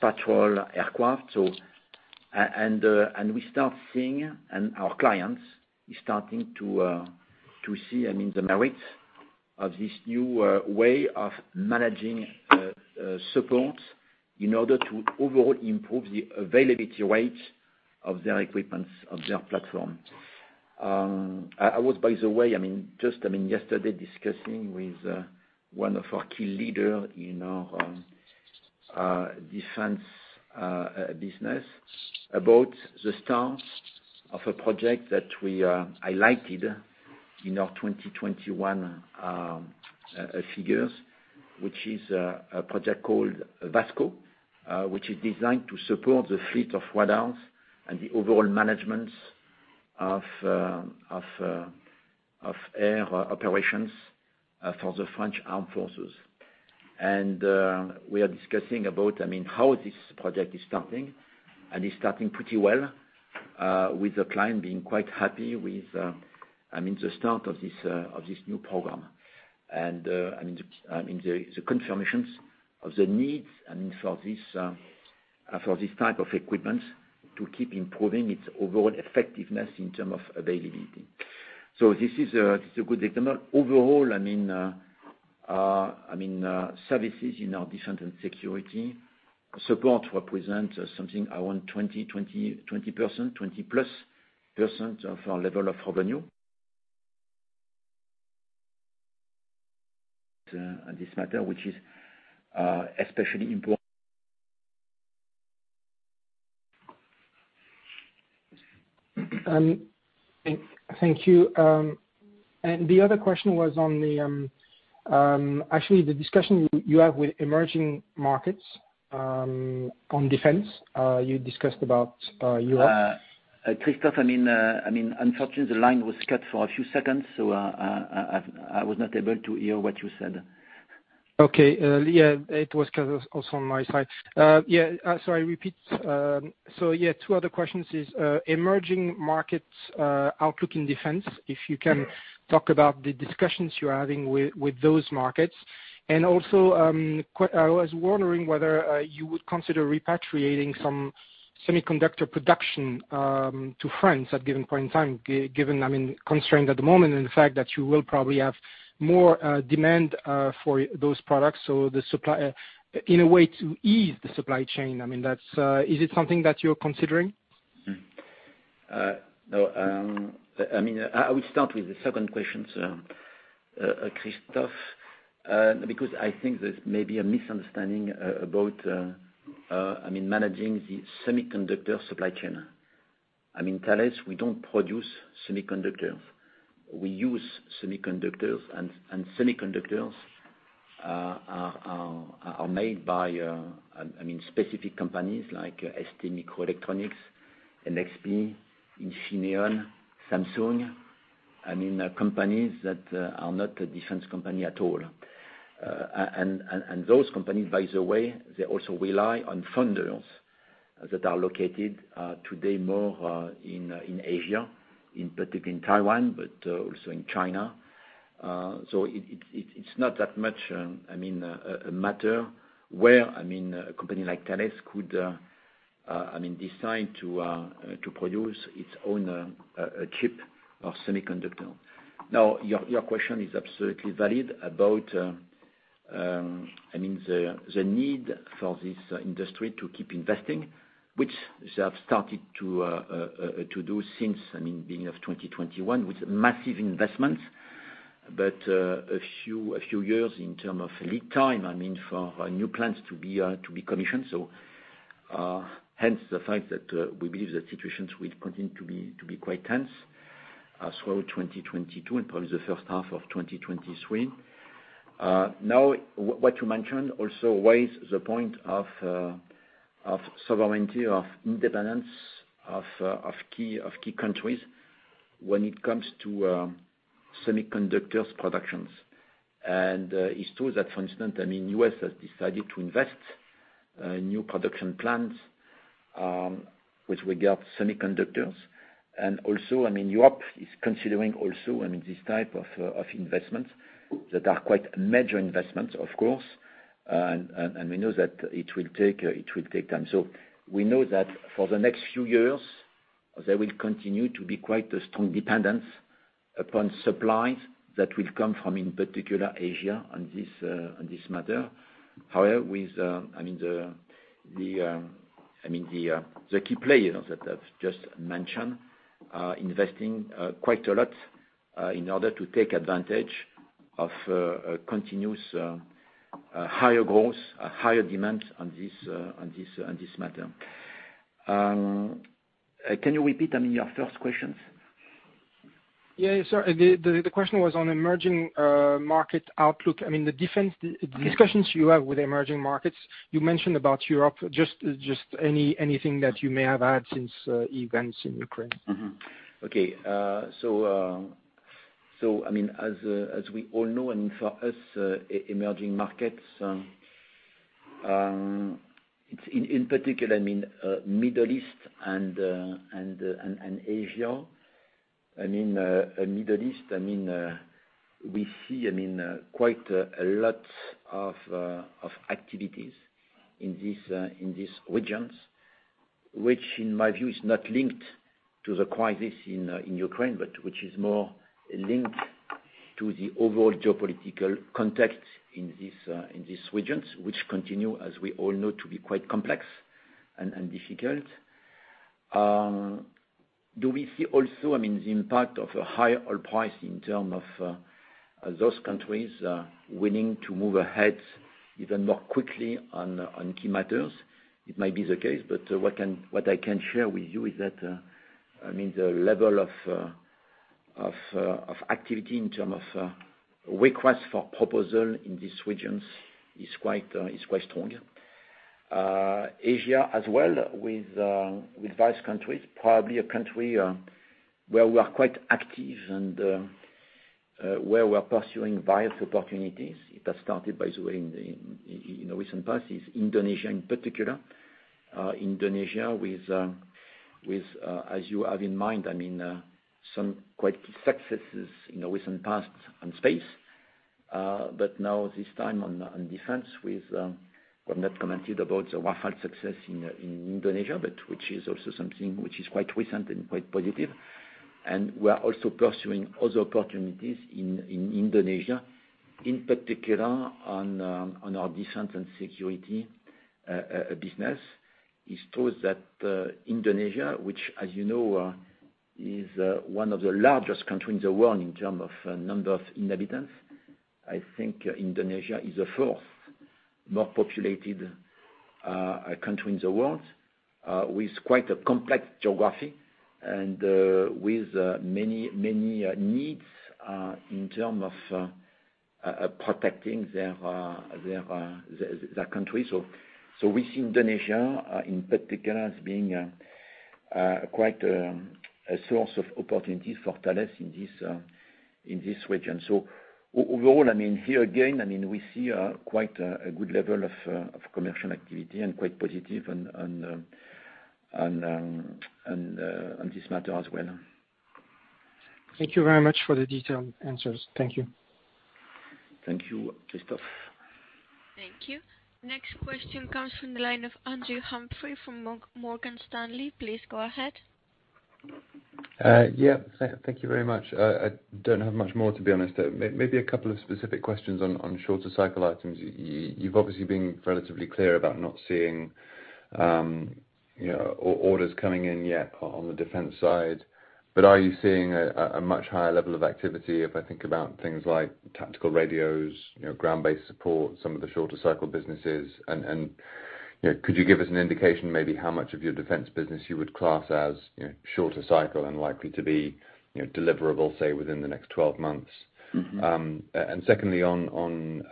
Speaker 3: patrol aircraft. We start seeing and our clients is starting to see, I mean, the merits of this new way of managing support in order to overall improve the availability rate of their equipments, of their platform. I was, by the way, I mean, just, I mean, yesterday discussing with one of our key leader in our defense business about the start of a project that we highlighted in our 2021 figures, which is a project called VASSCO, which is designed to support the fleet of radars and the overall management of air operations for the French armed forces. We are discussing about, I mean, how this project is starting, and it's starting pretty well, with the client being quite happy with, I mean, the start of this, of this new program. I mean, the confirmations of the needs, I mean, for this, for this type of equipment to keep improving its overall effectiveness in terms of availability. This is a good example. Overall, I mean, services in our defense and security support represent something around 20%+ of our level of revenue. On this matter, which is especially important.
Speaker 8: Thank you. The other question was on the, actually, the discussion you have with emerging markets on defense. You discussed about Europe.
Speaker 3: Christophe, I mean, unfortunately the line was cut for a few seconds, so I was not able to hear what you said.
Speaker 8: Okay. It was cut also on my side. I repeat. Two other questions is, emerging markets outlook in defense, if you can talk about the discussions you're having with those markets. Also, I was wondering whether you would consider repatriating some semiconductor production to France at given point in time, given, I mean, constraint at the moment, and in fact that you will probably have more demand for those products, so the supply in a way to ease the supply chain. I mean, that's, is it something that you're considering?
Speaker 3: No, I mean, I will start with the second question, so, Christophe, because I think there's maybe a misunderstanding about, I mean, managing the semiconductor supply chain. I mean, Thales, we don't produce semiconductors. We use semiconductors and semiconductors are made by, I mean, specific companies like STMicroelectronics, NXP, Infineon, Samsung. I mean, they're companies that are not a defense company at all. Those companies, by the way, they also rely on foundries that are located today more in Asia, in particular in Taiwan, but also in China. It's not that much, I mean, a matter where, I mean, a company like Thales could, I mean, decide to produce its own chip of semiconductor. Now, your question is absolutely valid about, I mean, the need for this industry to keep investing, which they have started to do since, I mean, beginning of 2021 with massive investments. A few years in terms of lead time, I mean, for new plants to be commissioned, hence the fact that we believe the situations will continue to be quite tense through 2022 and probably the first half of 2023. Now what you mentioned also raises the point of sovereignty, of independence of key countries when it comes to semiconductor production. It's true that for instance, I mean, the U.S. has decided to invest in new production plants with regard to semiconductors. I mean, Europe is considering also, I mean, this type of of investments that are quite major investments, of course. We know that it will take time. We know that for the next few years, there will continue to be quite a strong dependence upon supplies that will come from, in particular, Asia on this matter. However, with, I mean, the, I mean the key players that I've just mentioned, investing, quite a lot, in order to take advantage of, continuous, higher growth, higher demand on this, on this matter. Can you repeat, I mean, your first question?
Speaker 8: Yeah, sure. The question was on emerging market outlook. I mean, the defense.
Speaker 3: Mm-hmm.
Speaker 8: Discussions you have with emerging markets, you mentioned about Europe, just anything that you may have had since events in Ukraine.
Speaker 3: I mean, as we all know, for us, emerging markets, it's in particular Middle East and Asia. Middle East, we see quite a lot of activities in these regions, which in my view is not linked to the crisis in Ukraine, but which is more linked to the overall geopolitical context in these regions, which continue, as we all know, to be quite complex and difficult. Do we see also the impact of a higher oil price in terms of those countries willing to move ahead even more quickly on key matters? It might be the case, but what I can share with you is that, I mean, the level of activity in terms of requests for proposal in these regions is quite strong. Asia as well with various countries, probably a country where we are quite active and where we're pursuing various opportunities. It has started, by the way, in the recent past, is Indonesia in particular. Indonesia with, as you have in mind, I mean, some quite successes in the recent past on space. But now this time on defense with, well, not commented about the Rafale success in Indonesia, but which is also something which is quite recent and quite positive. We are also pursuing other opportunities in Indonesia, in particular on our defense and security business. It's true that Indonesia, which as you know is one of the largest country in the world in terms of number of inhabitants. I think Indonesia is the fourth most populated country in the world with quite a complex geography and with many needs in terms of protecting their country. We see Indonesia in particular as being quite a source of opportunities for Thales in this region. So overall, I mean, here again, I mean, we see quite a good level of commercial activity and quite positive on this matter as well.
Speaker 8: Thank you very much for the detailed answers. Thank you.
Speaker 3: Thank you, Christophe.
Speaker 1: Thank you. Next question comes from the line of Andrew Humphrey from Morgan Stanley. Please go ahead.
Speaker 9: Thank you very much. I don't have much more, to be honest. Maybe a couple of specific questions on shorter cycle items. You've obviously been relatively clear about not seeing, you know, orders coming in yet on the defense side. Are you seeing a much higher level of activity if I think about things like tactical radios, you know, ground-based support, some of the shorter cycle businesses? You know, could you give us an indication maybe how much of your defense business you would class as, you know, shorter cycle and likely to be, you know, deliverable, say, within the next 12 months?
Speaker 3: Mm-hmm.
Speaker 9: Secondly, on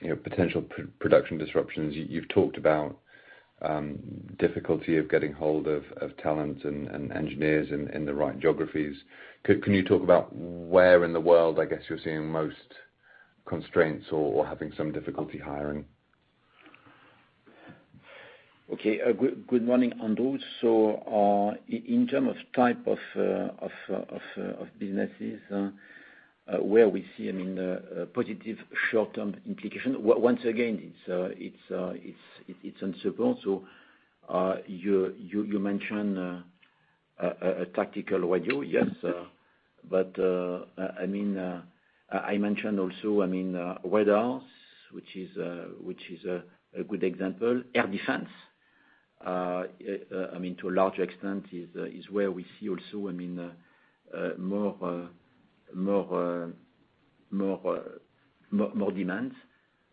Speaker 9: you know, potential production disruptions, you've talked about difficulty of getting hold of talent and engineers in the right geographies. Can you talk about where in the world, I guess, you're seeing most constraints or having some difficulty hiring?
Speaker 3: Good morning, Andrew. In terms of types of businesses where we see, I mean, positive short-term implication. Once again, it's uncertain. You mention a tactical radio. Yes. But I mean, I mention also, I mean, radars which is a good example. Air defense, I mean, to a large extent is where we see also, I mean, more demand.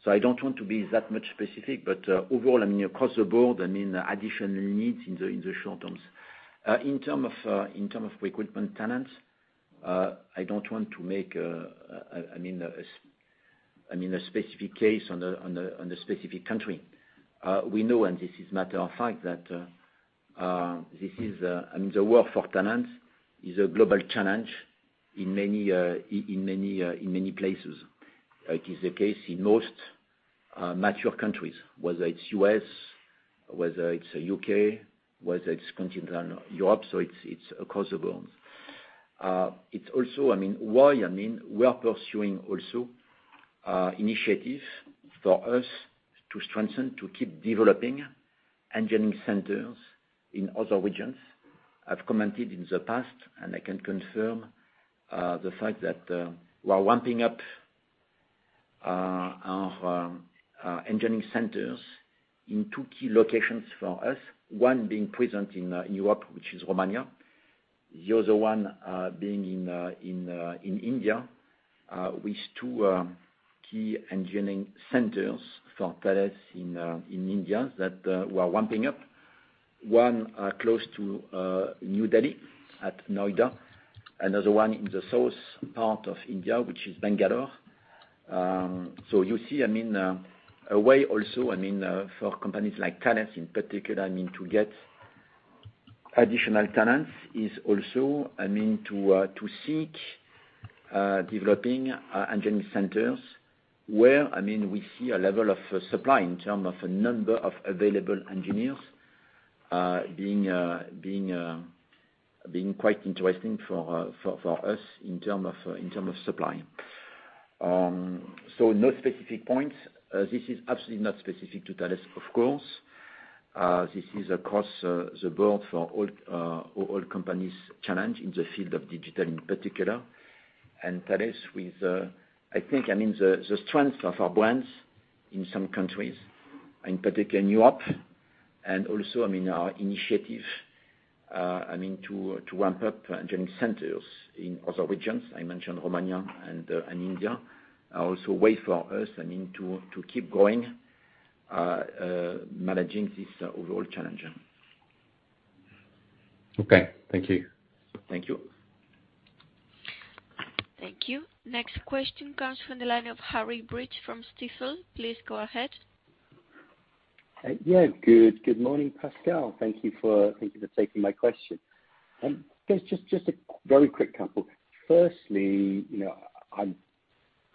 Speaker 3: I don't want to be that much specific, but overall, I mean, across the board, I mean, additional needs in the short term. In terms of recruitment talents, I don't want to make, I mean, a specific case on the specific country. We know, and this is a matter of fact, that this is, I mean, the war for talents is a global challenge in many places. It is the case in most mature countries, whether it's U.S., whether it's U.K., whether it's continental Europe. It's across the board. It's also, I mean, why, I mean, we are pursuing also initiatives for us to strengthen, to keep developing engineering centers in other regions. I've commented in the past, and I can confirm the fact that we are ramping up our engineering centers in two key locations for us, one being present in Europe, which is Romania. The other one being in India with two key engineering centers for Thales in India that we are ramping up. One close to New Delhi at Noida. Another one in the south part of India, which is Bangalore. You see, I mean, a way also, I mean, for companies like Thales in particular, I mean, to get additional talents is also, I mean, to seek developing engineering centers where, I mean, we see a level of supply in terms of a number of available engineers being quite interesting for us in terms of supply. No specific points. This is absolutely not specific to Thales, of course. This is across the board for all companies' challenge in the field of digital in particular. Thales with, I think, I mean, the strength of our brands in some countries, in particular in Europe, and also, I mean, our initiative, I mean, to ramp up engineering centers in other regions. I mentioned Romania and India are also a way for us, I mean, to keep going, managing this overall challenge.
Speaker 9: Okay. Thank you.
Speaker 3: Thank you.
Speaker 1: Thank you. Next question comes from the line of Harry Breach from Stifel. Please go ahead.
Speaker 10: Good morning, Pascal. Thank you for taking my question. I guess just a very quick couple. Firstly, you know,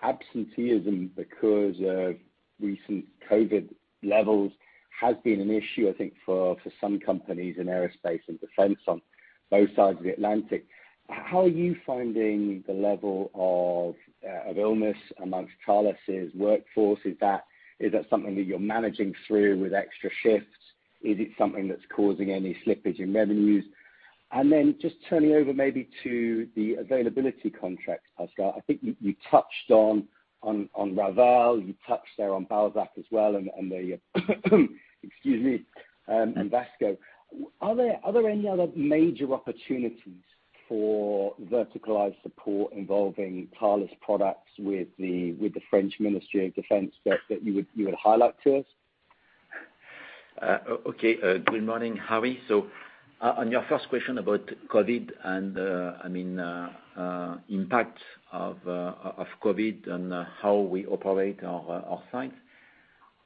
Speaker 10: absenteeism because of recent COVID levels has been an issue, I think, for some companies in aerospace and defense on both sides of the Atlantic. How are you finding the level of illness amongst Thales's workforce? Is that something that you're managing through with extra shifts? Is it something that's causing any slippage in revenues? Just turning over maybe to the availability contracts, Pascal. I think you touched on Rafale, you touched there on Balzac as well, and VASSCO. Are there any other major opportunities for verticalized support involving Thales products with the French Ministry of Defense that you would highlight to us?
Speaker 3: Okay. Good morning, Harry. On your first question about COVID and, I mean, impact of COVID on how we operate our sites,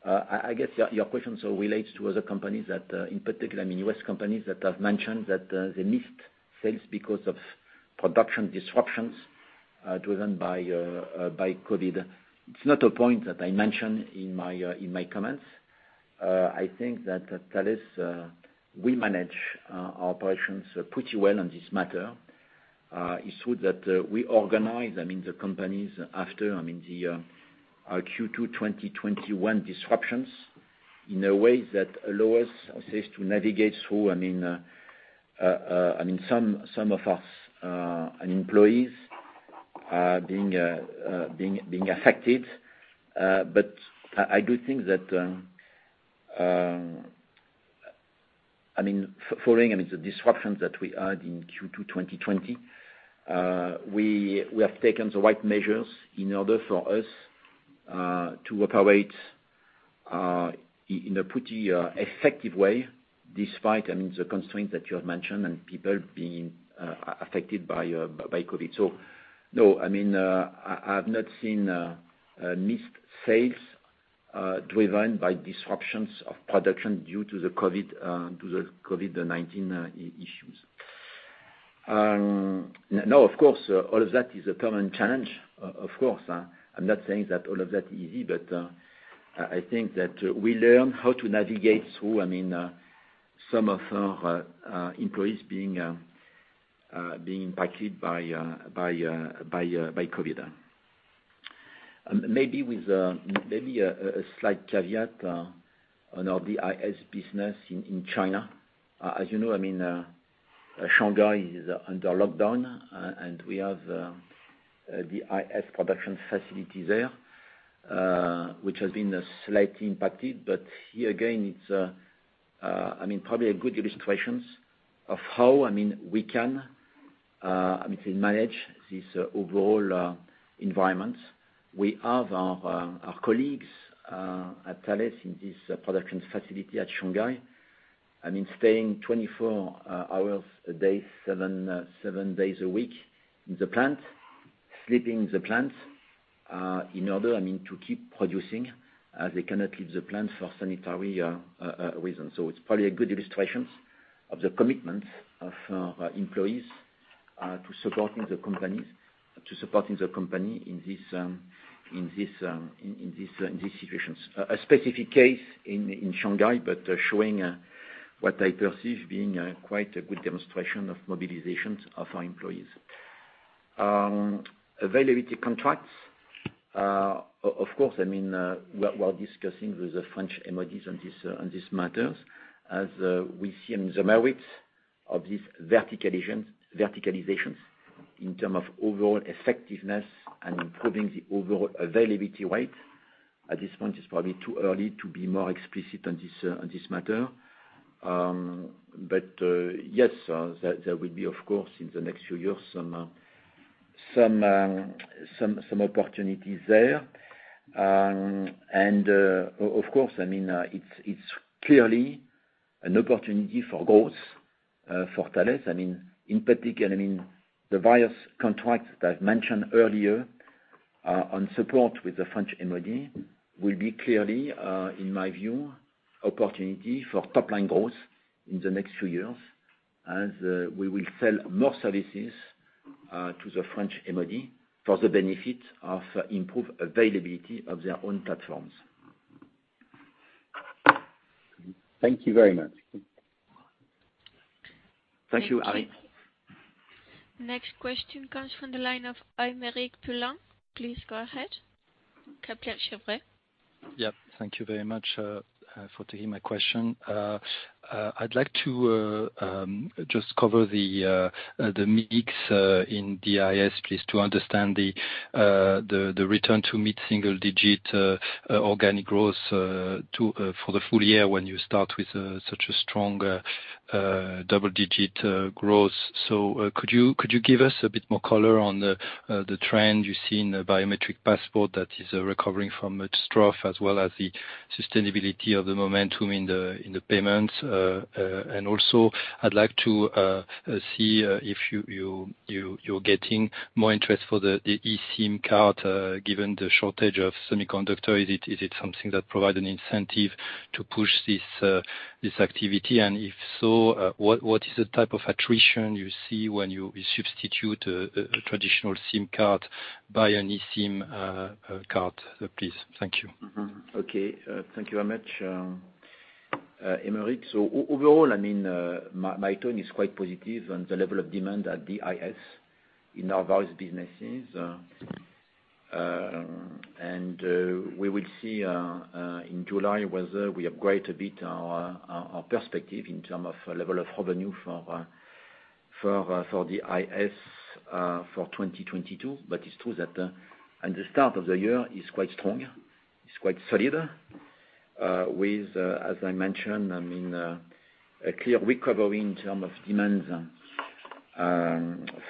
Speaker 3: I guess your question sort of relates to other companies that, in particular, I mean, U.S. companies that have mentioned that they missed sales because of production disruptions driven by COVID. It's not a point that I mentioned in my comments. I think that at Thales, we manage our operations pretty well on this matter. It's true that we organize, I mean, the companies after, I mean, the our Q2 2021 disruptions in a way that allows us to navigate through, I mean, some of our employees being affected. I do think that, I mean, following the disruptions that we had in Q2 2020, we have taken the right measures in order for us to operate in a pretty effective way, despite, I mean, the constraints that you have mentioned and people being affected by COVID. No, I mean, I've not seen missed sales driven by disruptions of production due to the COVID-19 issues. No, of course, all of that is a permanent challenge. Of course, I'm not saying that all of that easy, but I think that we learn how to navigate through, I mean, some of our employees being impacted by COVID. Maybe a slight caveat on our DIS business in China. As you know, I mean, Shanghai is under lockdown, and we have the DIS production facility there, which has been slightly impacted. Here again, it's I mean, probably a good illustration of how I mean, we can I mean, manage this overall environment. We have our colleagues at Thales in this production facility in Shanghai. I mean, staying 24 hours a day, seven days a week in the plant, sleeping in the plant, in order I mean, to keep producing, they cannot leave the plant for sanitary reason. It's probably a good illustration of the commitment of our employees to supporting the company in this situation. A specific case in Shanghai, but showing what I perceive being quite a good demonstration of mobilization of our employees. Availability contracts, of course, I mean, we're discussing with the French MOD on this matter as we see the merits of this verticalization in terms of overall effectiveness and improving the overall availability rate. At this point, it's probably too early to be more explicit on this matter. Yes, there will be of course, in the next few years some opportunities there. Of course, I mean, it's clearly an opportunity for growth for Thales. I mean, in particular, I mean, the various contracts that I've mentioned earlier on support with the French MOD will be clearly, in my view, opportunity for top line growth in the next few years as we will sell more services to the French MOD for the benefit of improved availability of their own platforms.
Speaker 10: Thank you very much.
Speaker 3: Thank you, Harry.
Speaker 1: Next question comes from the line of Aymeric Poulain. Please go ahead.
Speaker 11: Yeah. Thank you very much for taking my question. I'd like to just cover the mix in DIS, please, to understand the return to mid-single-digit organic growth for the full year when you start with such a strong double-digit growth. Could you give us a bit more color on the trend you see in the biometric passport that is recovering from its trough, as well as the sustainability of the momentum in the payments? And also I'd like to see if you're getting more interest for the eSIM card given the shortage of semiconductors. Is it something that provide an incentive to push this activity? If so, what is the type of attrition you see when you substitute a traditional SIM card by an eSIM card, please? Thank you.
Speaker 3: Thank you very much, Aymeric. Overall, I mean, my tone is quite positive on the level of demand at DIS in our various businesses. We will see in July whether we upgrade a bit our perspective in terms of level of revenue for DIS for 2022. It's true that at the start of the year, it's quite strong. It's quite solid with as I mentioned, I mean, a clear recovery in terms of demands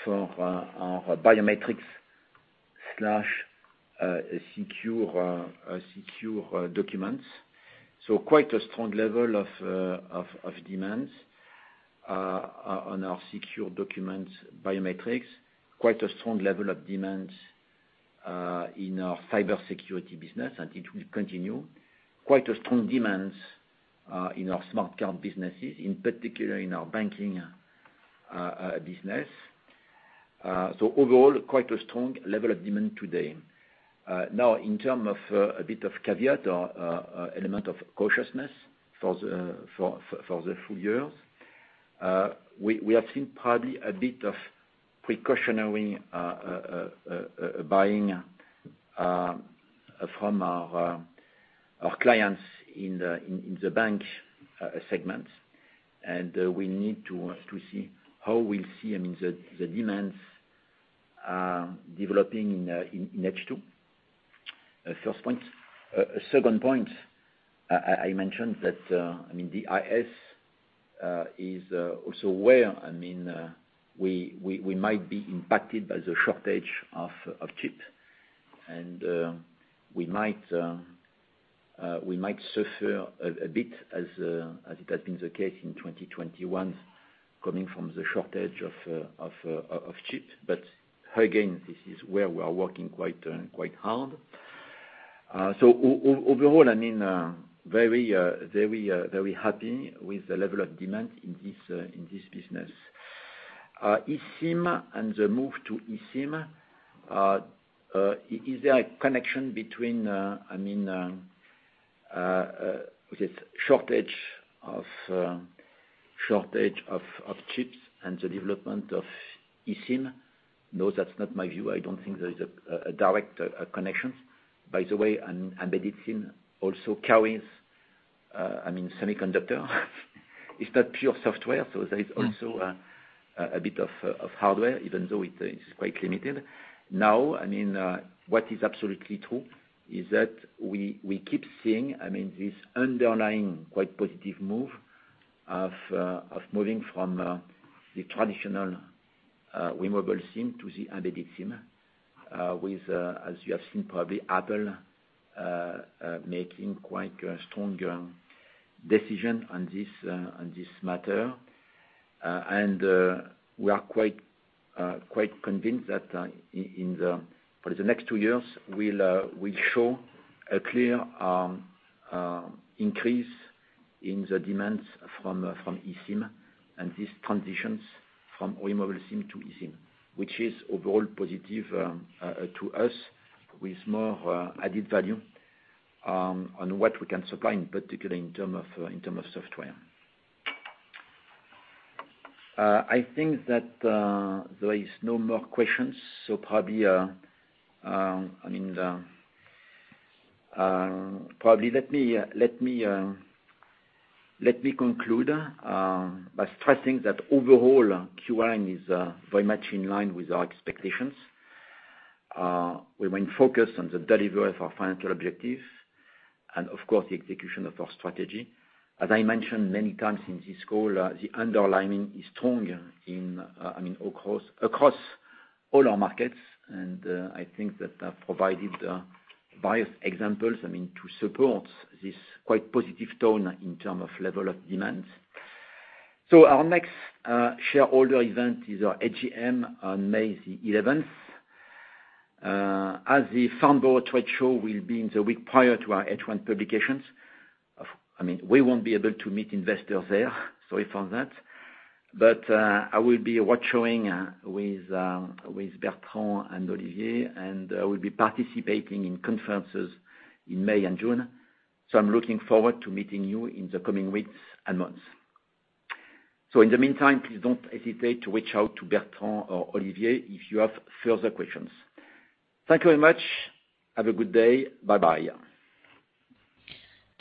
Speaker 3: for our biometrics slash secure documents. Quite a strong level of demands on our secure documents biometrics. Quite a strong level of demands in our cybersecurity business, and it will continue. Quite a strong demand in our smart card businesses, in particular in our banking business. Overall, quite a strong level of demand today. Now in terms of a bit of caveat or element of cautiousness for the full year. We have seen probably a bit of precautionary buying from our clients in the bank segment. We need to see how we see, I mean, the demand developing in H2. First point. Second point, I mentioned that, I mean the DIS is also where, I mean, we might be impacted by the shortage of chips. We might suffer a bit as it has been the case in 2021, coming from the shortage of chips. Again, this is where we are working quite hard. Overall, I mean, very happy with the level of demand in this business. eSIM and the move to eSIM. Is there a connection between, I mean, this shortage of chips and the development of eSIM? No, that's not my view. I don't think there is a direct connection. By the way, an embedded SIM also carries, I mean, semiconductor. It's not pure software, so there is also a bit of hardware, even though it is quite limited. Now, I mean, what is absolutely true is that we keep seeing, I mean, this underlying quite positive move of moving from the traditional removable SIM to the embedded SIM. With, as you have seen probably, Apple making quite a stronger decision on this matter. We are quite convinced that in the next two years we'll show a clear increase in the demand for eSIM. This transitions from removable SIM to eSIM. Which is overall positive to us with more added value on what we can supply, in particular, in terms of software. I think that there is no more questions. Let me conclude by stressing that overall Q1 is very much in line with our expectations. We remain focused on the delivery of our financial objectives, and of course, the execution of our strategy. As I mentioned many times in this call, the underlying is stronger, I mean, across all our markets. I think that I've provided various examples, I mean, to support this quite positive tone in terms of level of demands. Our next shareholder event is our AGM on May 11th. As the Farnborough trade show will be in the week prior to our H1 publications, I mean, we won't be able to meet investors there. Sorry for that. I will be road showing with Bertrand and Olivier, and will be participating in conferences in May and June. I'm looking forward to meeting you in the coming weeks and months. In the meantime, please don't hesitate to reach out to Bertrand or Olivier if you have further questions. Thank you very much. Have a good day. Bye-bye.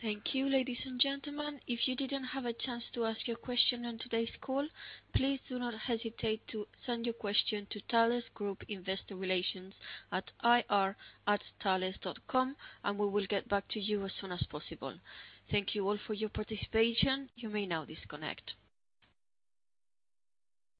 Speaker 1: Thank you, ladies and gentlemen. If you didn't have a chance to ask your question on today's call, please do not hesitate to send your question to Thales Group Investor Relations at ir@thalesgroup.com, and we will get back to you as soon as possible. Thank you all for your participation. You may now disconnect.